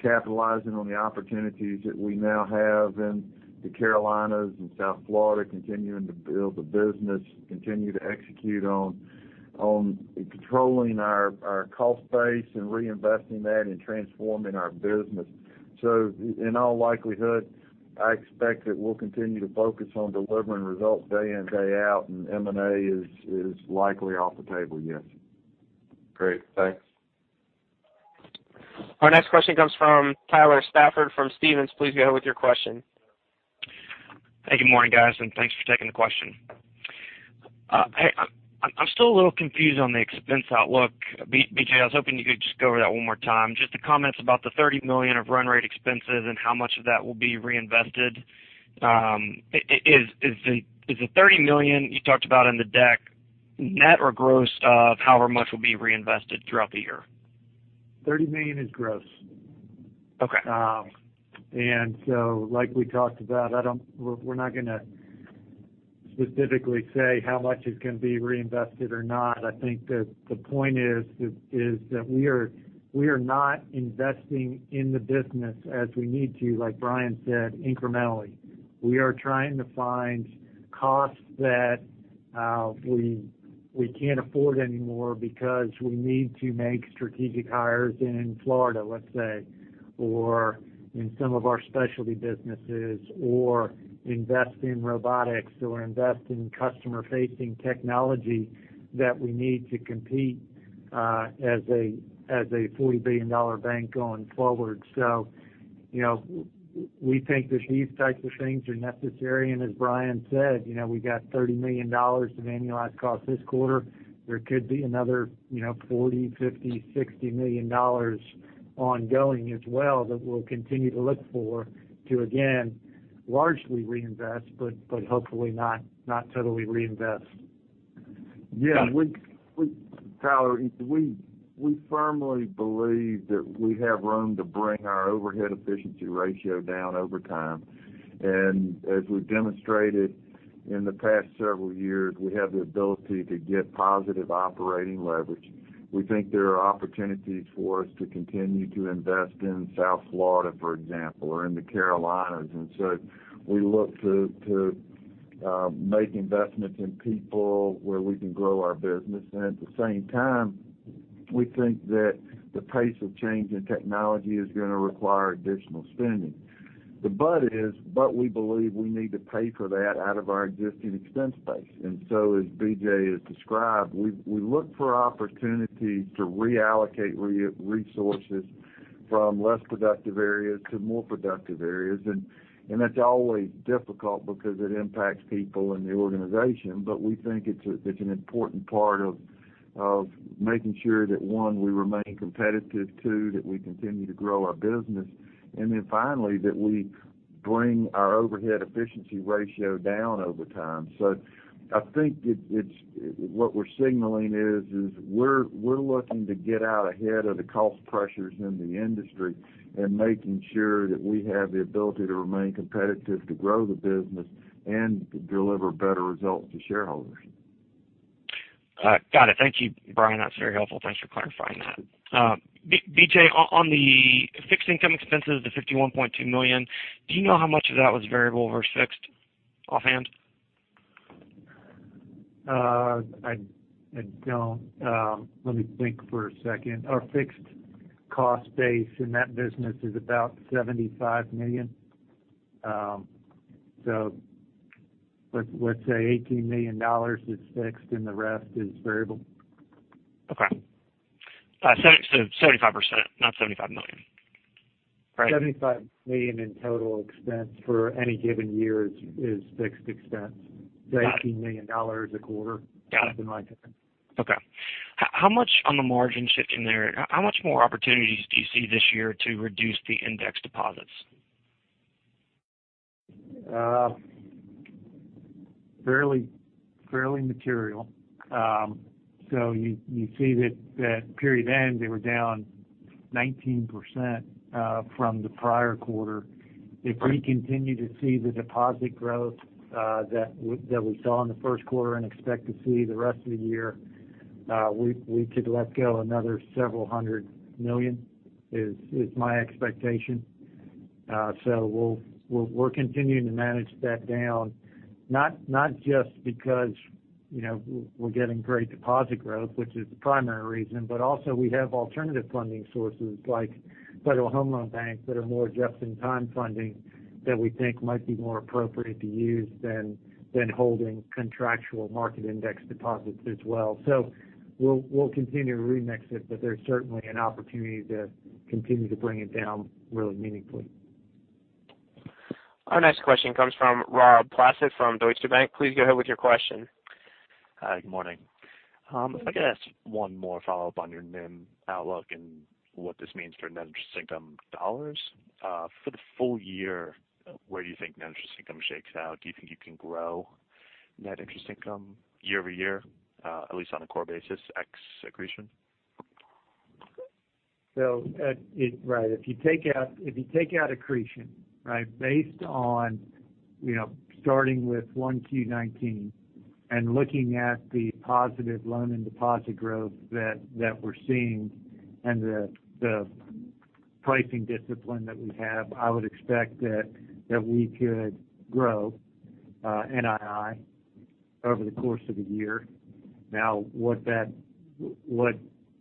capitalizing on the opportunities that we now have in the Carolinas and South Florida, continuing to build the business, continue to execute on controlling our cost base and reinvesting that and transforming our business. In all likelihood, I expect that we'll continue to focus on delivering results day in, day out, and M&A is likely off the table, yes. Great. Thanks. Our next question comes from Tyler Stafford from Stephens. Please go ahead with your question. Hey, good morning, guys, thanks for taking the question. I'm still a little confused on the expense outlook. BJ, I was hoping you could just go over that one more time, just the comments about the $30 million of run rate expenses and how much of that will be reinvested. Is the $30 million you talked about on the deck net or gross of however much will be reinvested throughout the year? $30 million is gross. Okay. Like we talked about, we're not going to specifically say how much is going to be reinvested or not. I think that the point is that we are not investing in the business as we need to, like Brian said, incrementally. We are trying to find costs that we can't afford anymore because we need to make strategic hires in Florida, let's say, or in some of our specialty businesses, or invest in robotics or invest in customer-facing technology that we need to compete as a $40 billion bank going forward. We think that these types of things are necessary. As Brian said, we got $30 million of annualized costs this quarter. There could be another $40 million, $50 million, $60 million ongoing as well that we'll continue to look for to, again, largely reinvest, but hopefully not totally reinvest. Tyler, we firmly believe that we have room to bring our overhead efficiency ratio down over time. As we've demonstrated in the past several years, we have the ability to get positive operating leverage. We think there are opportunities for us to continue to invest in South Florida, for example, or in the Carolinas. We look to make investments in people where we can grow our business. At the same time, we think that the pace of change in technology is going to require additional spending. We believe we need to pay for that out of our existing expense base. As BJ has described, we look for opportunities to reallocate resources from less productive areas to more productive areas. That's always difficult because it impacts people in the organization. We think it's an important part of making sure that, one, we remain competitive, two, that we continue to grow our business, and then finally, that we bring our overhead efficiency ratio down over time. I think what we're signaling is we're looking to get out ahead of the cost pressures in the industry and making sure that we have the ability to remain competitive, to grow the business, and deliver better results to shareholders. Got it. Thank you, Brian. That's very helpful. Thanks for clarifying that. BJ, on the fixed income expenses, the $51.2 million, do you know how much of that was variable versus fixed offhand? I don't. Let me think for a second. Our fixed cost base in that business is about $75 million. Let's say $18 million is fixed and the rest is variable. Okay. 75%, not $75 million. Correct? $75 million in total expense for any given year is fixed expense. Got it. $18 million a quarter. Got it. Something like that. Okay. How much on the margin shift in there, how much more opportunities do you see this year to reduce the index deposits? Fairly material. You see that period end, they were down 19% from the prior quarter. If we continue to see the deposit growth that we saw in the first quarter and expect to see the rest of the year, we could let go another several hundred million, is my expectation. We're continuing to manage that down, not just because we're getting great deposit growth, which is the primary reason, but also we have alternative funding sources like Federal Home Loan Banks that are more adjusted time funding that we think might be more appropriate to use than holding contractual market index deposits as well. We'll continue to remix it, but there's certainly an opportunity to continue to bring it down really meaningfully. Our next question comes from Rob Placet from Deutsche Bank. Please go ahead with your question. Hi. Good morning. If I could ask one more follow-up on your NIM outlook and what this means for net interest income dollars. For the full year, where do you think net interest income shakes out? Do you think you can grow net interest income year-over-year, at least on a core basis, ex accretion? Right. If you take out accretion based on starting with 1Q 2019 and looking at the positive loan and deposit growth that we're seeing and the pricing discipline that we have, I would expect that we could grow NII over the course of the year.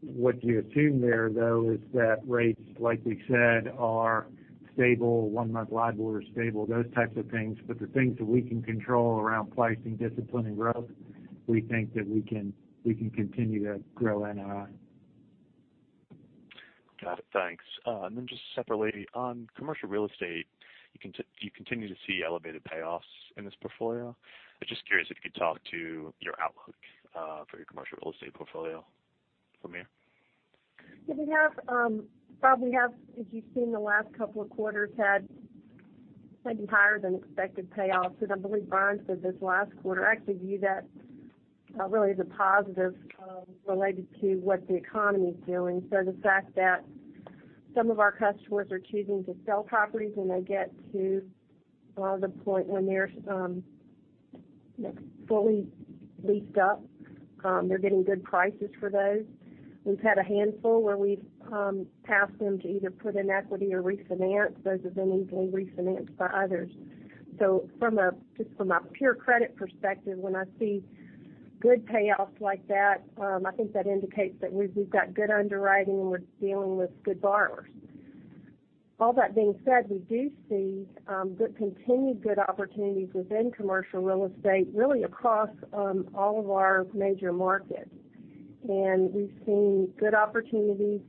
What you assume there, though, is that rates, like we've said, are stable, 1 month LIBOR stable, those types of things. The things that we can control around pricing, discipline, and growth, we think that we can continue to grow NII. Got it. Thanks. Just separately on commercial real estate, do you continue to see elevated payoffs in this portfolio? I'm just curious if you could talk to your outlook for your commercial real estate portfolio from here. We probably have, as you've seen in the last couple of quarters, had maybe higher than expected payoffs. As I believe Brian Malone said this last quarter, I actually view that really as a positive related to what the economy is doing. The fact that some of our customers are choosing to sell properties when they get to the point when they're fully leased up, they're getting good prices for those. We've had a handful where we've asked them to either put in equity or refinance. Those have then usually refinanced by others. Just from a pure credit perspective, when I see good payoffs like that, I think that indicates that we've got good underwriting and we're dealing with good borrowers. All that being said, we do see good continued good opportunities within commercial real estate, really across all of our major markets. We've seen good opportunities,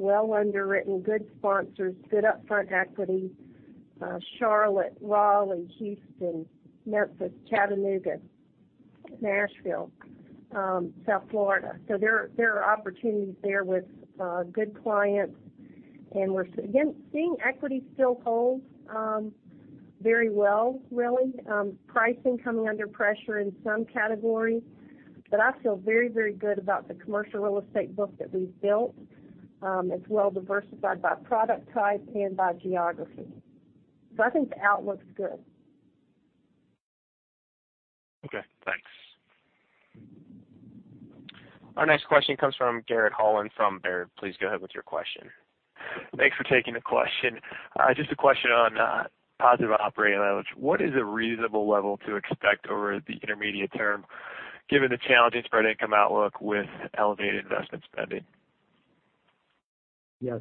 well underwritten, good sponsors, good upfront equity. Charlotte, Raleigh, Houston, Memphis, Chattanooga, Nashville, South Florida. There are opportunities there with good clients, and we're, again, seeing equity still hold very well, really. Pricing coming under pressure in some categories. I feel very, very good about the commercial real estate book that we've built. It's well-diversified by product type and by geography. I think the outlook's good. Okay, thanks. Our next question comes from Garrett Holland from Baird. Please go ahead with your question. Thanks for taking the question. Just a question on positive operating leverage. What is a reasonable level to expect over the intermediate term, given the challenging spread income outlook with elevated investment spending? Yeah.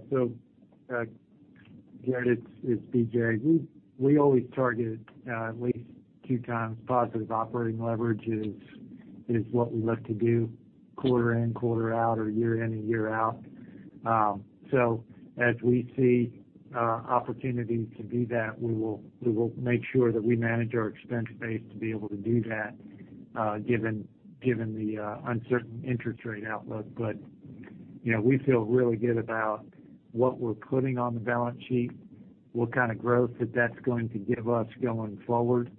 Garrett, it's BJ. We always target at least two times positive operating leverage is what we look to do quarter in, quarter out or year in and year out. As we see opportunities to do that, we will make sure that we manage our expense base to be able to do that given the uncertain interest rate outlook. We feel really good about what we're putting on the balance sheet, what kind of growth that that's going to give us going forward,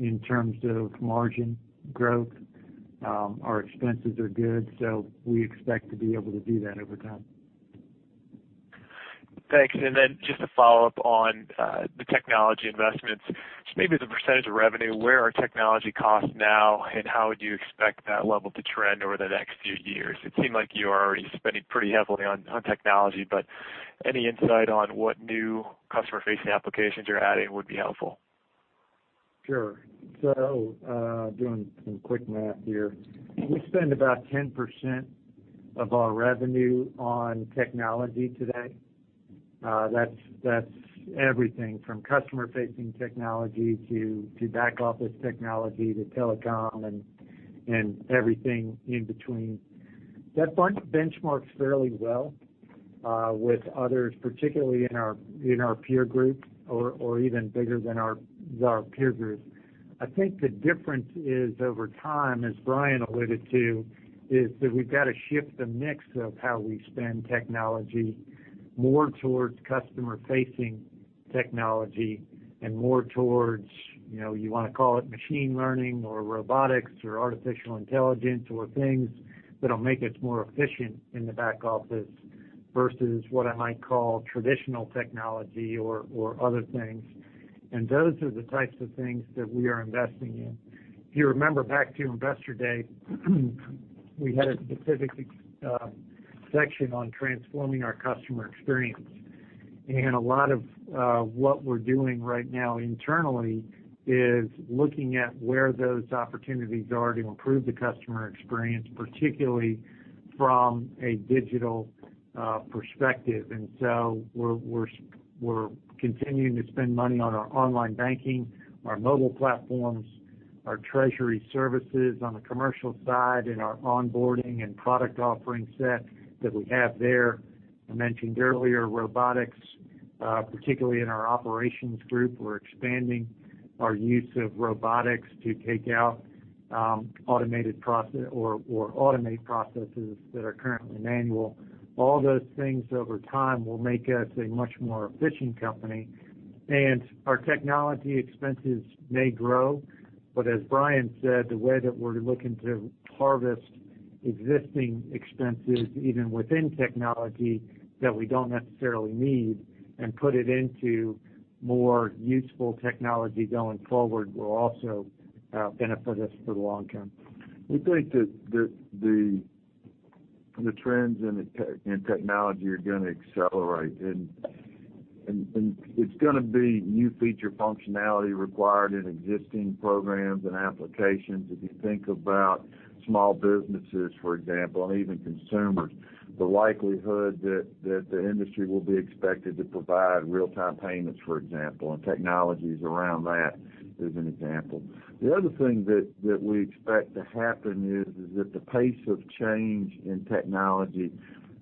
in terms of margin growth. Our expenses are good, we expect to be able to do that over time. Thanks. Just a follow-up on the technology investments. Maybe as a percentage of revenue, where are technology costs now, and how would you expect that level to trend over the next few years? It seemed like you are already spending pretty heavily on technology, but any insight on what new customer-facing applications you're adding would be helpful. Sure. Doing some quick math here. We spend about 10% of our revenue on technology today. That's everything from customer-facing technology to back office technology to telecom and everything in between. That benchmarks fairly well with others, particularly in our peer group or even bigger than our peer group. I think the difference is over time, as Brian alluded to, is that we've got to shift the mix of how we spend technology more towards customer-facing technology and more towards, you want to call it machine learning or robotics or artificial intelligence or things that'll make us more efficient in the back office versus what I might call traditional technology or other things. Those are the types of things that we are investing in. If you remember back to Investor Day, we had a specific section on transforming our customer experience. A lot of what we're doing right now internally is looking at where those opportunities are to improve the customer experience, particularly from a digital perspective. We're continuing to spend money on our online banking, our mobile platforms, our treasury services on the commercial side, and our onboarding and product offering set that we have there. I mentioned earlier, robotics, particularly in our operations group. We're expanding our use of robotics to take out automated process or automate processes that are currently manual. All those things over time will make us a much more efficient company. Our technology expenses may grow, but as Brian said, the way that we're looking to harvest existing expenses, even within technology that we don't necessarily need and put it into more useful technology going forward, will also benefit us for the long term. We think that the trends in technology are going to accelerate, and it's going to be new feature functionality required in existing programs and applications. If you think about small businesses, for example, and even consumers, the likelihood that the industry will be expected to provide real-time payments, for example, and technologies around that as an example. The other thing that we expect to happen is that the pace of change in technology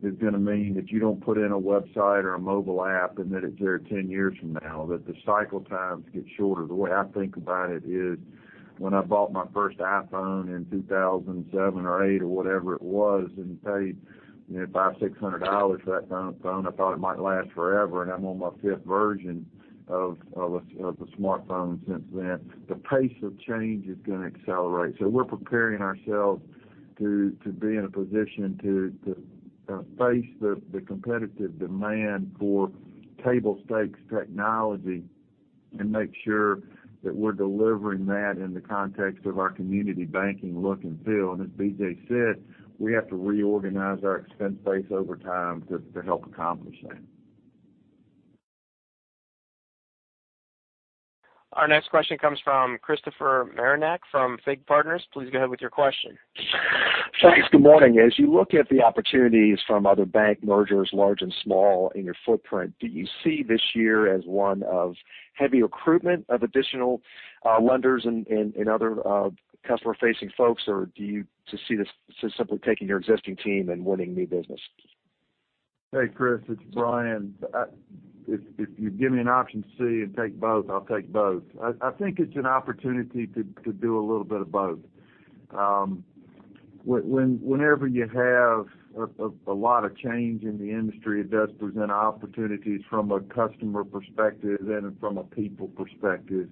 is going to mean that you don't put in a website or a mobile app, and that it's there 10 years from now, that the cycle times get shorter. The way I think about it is when I bought my first iPhone in 2007 or 2008, or whatever it was, and paid $500, $600 for that phone, I thought it might last forever, and I'm on my fifth version of a smartphone since then. The pace of change is going to accelerate. We're preparing ourselves to be in a position to face the competitive demand for table stakes technology and make sure that we're delivering that in the context of our community banking look and feel. As BJ said, we have to reorganize our expense base over time to help accomplish that. Our next question comes from Christopher Marinac from FIG Partners. Please go ahead with your question. Thanks. Good morning. As you look at the opportunities from other bank mergers, large and small, in your footprint, do you see this year as one of heavy recruitment of additional lenders and other customer-facing folks? Do you just see this as simply taking your existing team and winning new business? Hey, Chris, it's Brian. If you give me an option C and take both, I'll take both. I think it's an opportunity to do a little bit of both. Whenever you have a lot of change in the industry, it does present opportunities from a customer perspective and from a people perspective.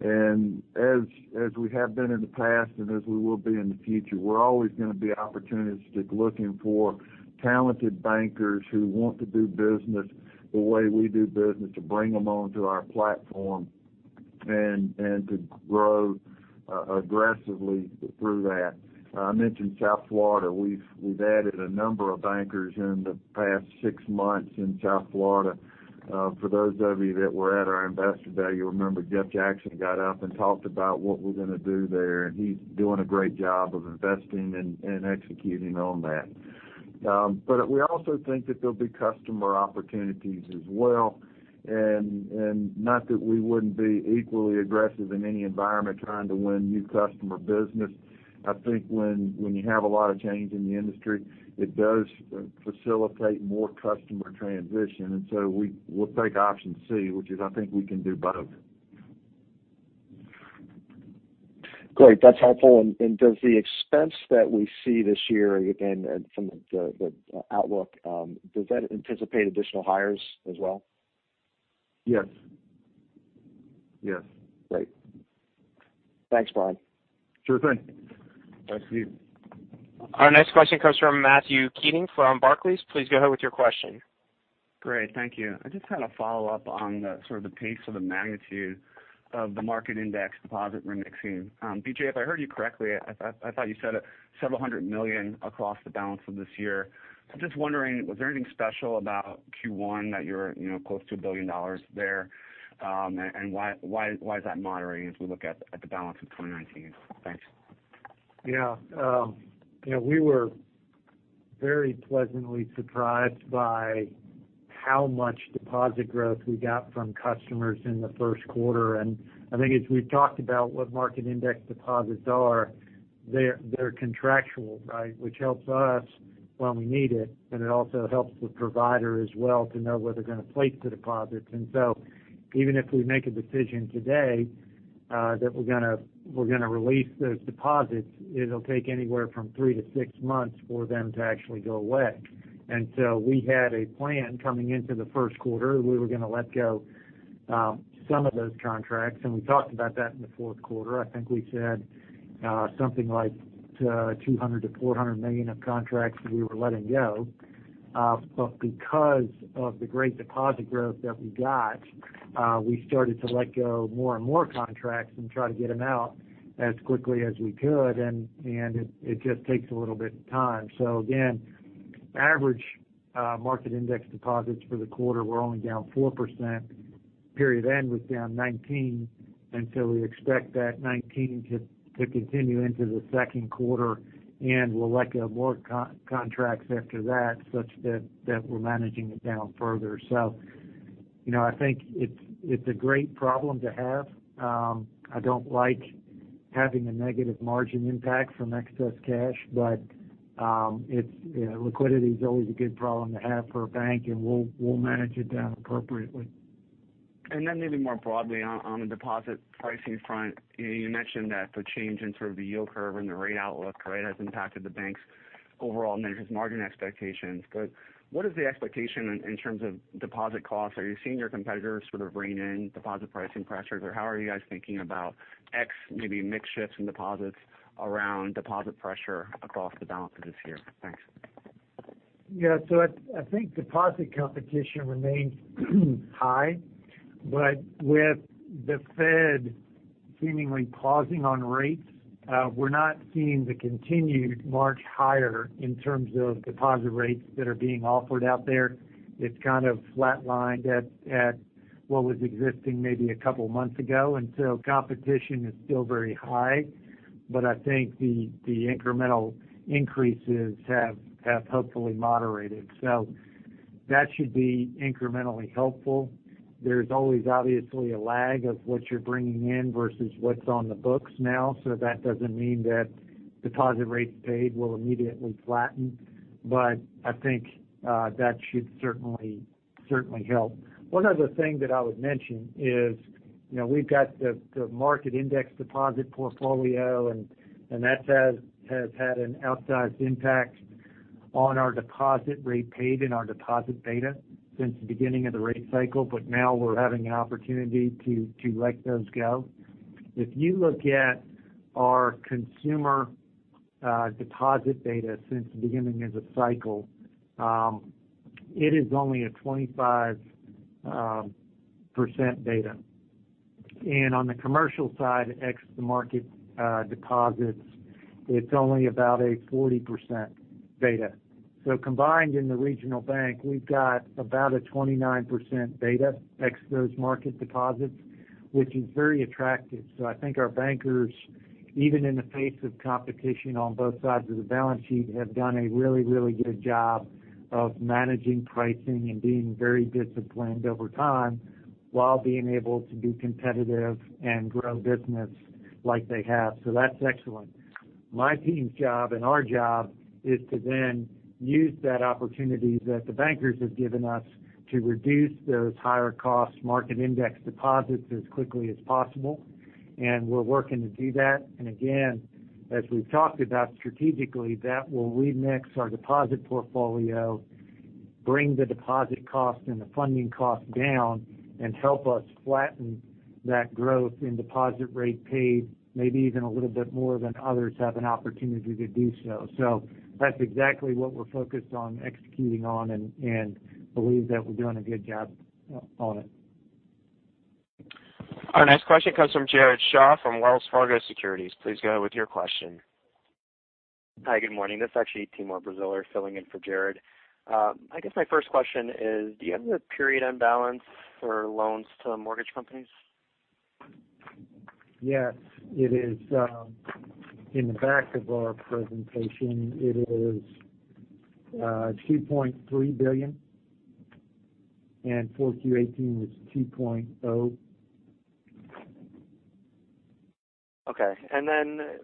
As we have been in the past, and as we will be in the future, we're always going to be opportunistic, looking for talented bankers who want to do business the way we do business, to bring them onto our platform, and to grow aggressively through that. I mentioned South Florida. We've added a number of bankers in the past six months in South Florida. For those of you that were at our investor day, you'll remember Jeff Jackson got up and talked about what we're going to do there. He's doing a great job of investing and executing on that. We also think that there'll be customer opportunities as well. Not that we wouldn't be equally aggressive in any environment trying to win new customer business. I think when you have a lot of change in the industry, it does facilitate more customer transition. We'll take option C, which is, I think we can do both. Great. That's helpful. Does the expense that we see this year, again, from the outlook, does that anticipate additional hires as well? Yes. Great. Thanks, Brian. Sure thing. Thanks, Steve. Our next question comes from Matthew Keating from Barclays. Please go ahead with your question. Great. Thank you. I just had a follow-up on the sort of the pace of the magnitude of the market index deposit remixing. BJ, if I heard you correctly, I thought you said several hundred million across the balance of this year. Just wondering, was there anything special about Q1 that you're close to $1 billion there? Why is that moderating as we look at the balance of 2019? Thanks. Yeah. We were very pleasantly surprised by how much deposit growth we got from customers in the first quarter. I think as we've talked about what market index deposits are, they're contractual, which helps us when we need it, but it also helps the provider as well to know where they're going to place the deposits. Even if we make a decision today that we're going to release those deposits, it'll take anywhere from three to six months for them to actually go away. We had a plan coming into the first quarter. We were going to let go some of those contracts, and we talked about that in the fourth quarter. I think we said something like $200 million to $400 million of contracts that we were letting go. Because of the great deposit growth that we got, we started to let go more and more contracts and try to get them out as quickly as we could. It just takes a little bit of time. Again, average market index deposits for the quarter were only down 4%. Period end was down 19%, and we expect that 19% to continue into the second quarter, and we'll let go of more contracts after that, such that, we're managing it down further. I think it's a great problem to have. I don't like having a negative margin impact from excess cash, but liquidity is always a good problem to have for a bank, and we'll manage it down appropriately. maybe more broadly on the deposit pricing front, you mentioned that the change in sort of the yield curve and the rate outlook has impacted the bank's overall net interest margin expectations. What is the expectation in terms of deposit costs? Are you seeing your competitors sort of rein in deposit pricing pressures? How are you guys thinking about maybe mix shifts in deposits around deposit pressure across the balance of this year? Thanks. Yeah. I think deposit competition remains high, but with the Fed seemingly pausing on rates, we're not seeing the continued march higher in terms of deposit rates that are being offered out there. It's kind of flat-lined at what was existing maybe a couple of months ago. Competition is still very high, but I think the incremental increases have hopefully moderated. That should be incrementally helpful. There's always obviously a lag of what you're bringing in versus what's on the books now. That doesn't mean that deposit rates paid will immediately flatten, but I think that should certainly help. One other thing that I would mention is, we've got the market index deposit portfolio, and that has had an outsized impact on our deposit rate paid and our deposit beta since the beginning of the rate cycle. Now we're having an opportunity to let those go. If you look at our consumer deposit beta since the beginning of the cycle, it is only a 25% beta. On the commercial side, ex the market deposits, it's only about a 40% beta. Combined in the regional bank, we've got about a 29% beta, ex those market deposits, which is very attractive. I think our bankers, even in the face of competition on both sides of the balance sheet, have done a really good job of managing pricing and being very disciplined over time, while being able to be competitive and grow business like they have. That's excellent. My team's job, and our job, is to then use that opportunity that the bankers have given us to reduce those higher-cost market index deposits as quickly as possible. We're working to do that. Again, as we've talked about strategically, that will remix our deposit portfolio, bring the deposit cost and the funding cost down, and help us flatten that growth in deposit rate paid, maybe even a little bit more than others have an opportunity to do so. That's exactly what we're focused on executing on and believe that we're doing a good job on it. Our next question comes from Jared Shaw from Wells Fargo Securities. Please go ahead with your question. Hi, good morning. This is actually Timur Braziler filling in for Jared. I guess my first question is, do you have the period end balance for loans to the mortgage companies? Yes. It is in the back of our presentation. It is $2.3 billion. For Q18 was $2.0. Okay.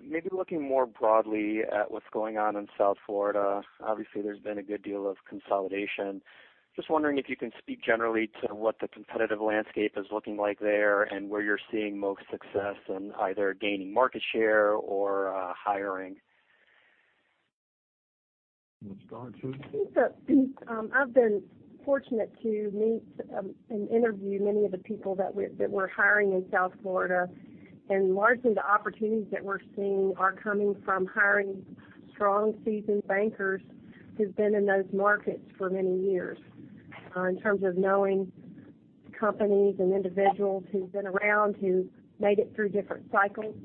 Maybe looking more broadly at what's going on in South Florida, obviously there's been a good deal of consolidation. Just wondering if you can speak generally to what the competitive landscape is looking like there and where you're seeing most success in either gaining market share or hiring. You want to start, Susan? I've been fortunate to meet, and interview many of the people that we're hiring in South Florida. Largely, the opportunities that we're seeing are coming from hiring strong, seasoned bankers who've been in those markets for many years, in terms of knowing companies and individuals who've been around, who made it through different cycles.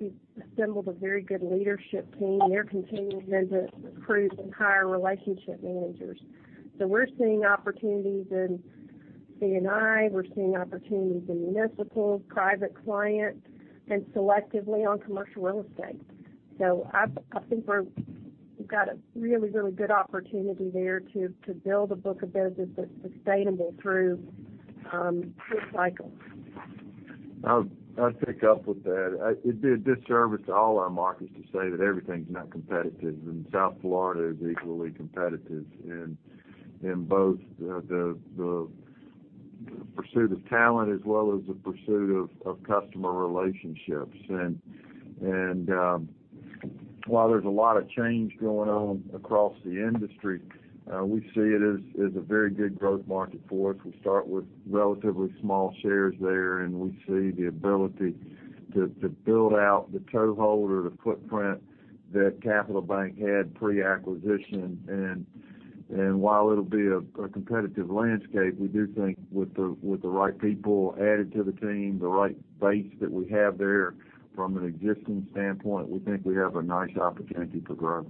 We've assembled a very good leadership team. They're continuing then to recruit and hire relationship managers. We're seeing opportunities in C&I, we're seeing opportunities in municipal, private clients, and selectively on commercial real estate. I think we've got a really good opportunity there to build a book of business that's sustainable through this cycle. I'd pick up with that. It'd be a disservice to all our markets to say that everything's not competitive, and South Florida is equally competitive in both the pursuit of talent as well as the pursuit of customer relationships. While there's a lot of change going on across the industry, we see it as a very good growth market for us. We start with relatively small shares there, and we see the ability to build out the toehold or the footprint that Capital Bank had pre-acquisition. While it'll be a competitive landscape, we do think with the right people added to the team, the right base that we have there from an existing standpoint, we think we have a nice opportunity for growth.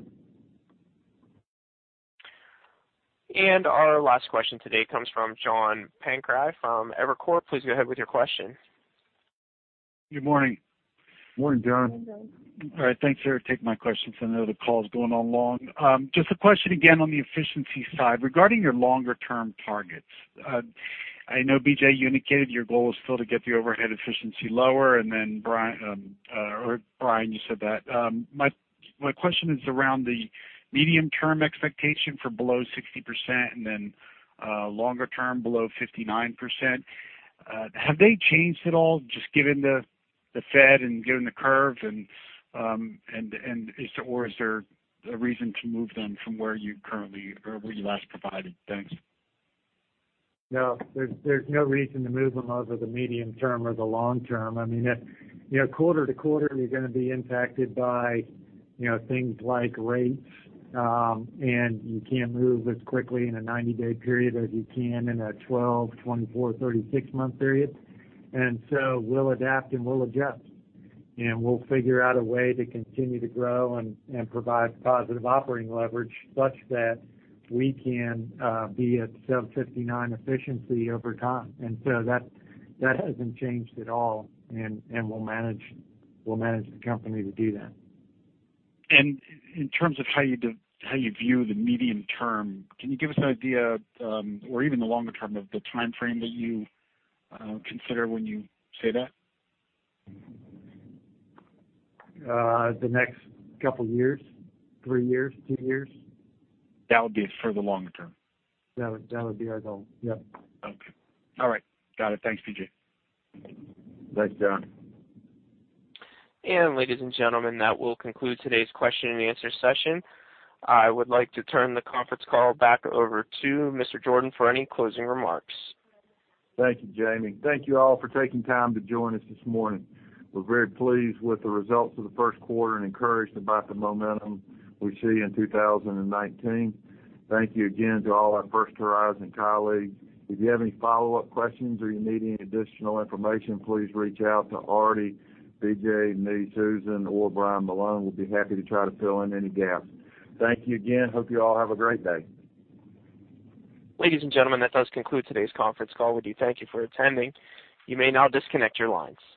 Our last question today comes from John Pancari from Evercore. Please go ahead with your question. Good morning. Morning, John. Morning, John. All right. Thanks for taking my question since I know the call is going on long. Just a question again on the efficiency side. Regarding your longer term targets, I know BJ, you indicated your goal is still to get the overhead efficiency lower, and then Brian, you said that. My question is around the medium-term expectation for below 60% and then longer term below 59%. Have they changed at all, just given the Fed and given the curve? Is there a reason to move them from where you last provided? Thanks. No, there's no reason to move them either the medium term or the long term. Quarter to quarter, you're going to be impacted by things like rates, and you can't move as quickly in a 90-day period as you can in a 12-month, 24-month, 36-month period. We'll adapt and we'll adjust, and we'll figure out a way to continue to grow and provide positive operating leverage such that we can be at sub 59 efficiency over time. That hasn't changed at all. We'll manage the company to do that. In terms of how you view the medium term, can you give us an idea, or even the longer term, of the timeframe that you consider when you say that? The next couple years, three years, two years. That would be for the longer term? That would be our goal, yep. Okay. All right. Got it. Thanks, BJ. Thanks, John. Ladies and gentlemen, that will conclude today's question and answer session. I would like to turn the conference call back over to Mr. Jordan for any closing remarks. Thank you, Jaime. Thank you all for taking time to join us this morning. We're very pleased with the results of the first quarter and encouraged about the momentum we see in 2019. Thank you again to all our First Horizon colleagues. If you have any follow-up questions or you need any additional information, please reach out to Aarti, BJ, me, Susan, or Brian Malone. We'll be happy to try to fill in any gaps. Thank you again. Hope you all have a great day. Ladies and gentlemen, that does conclude today's conference call with you. Thank you for attending. You may now disconnect your lines.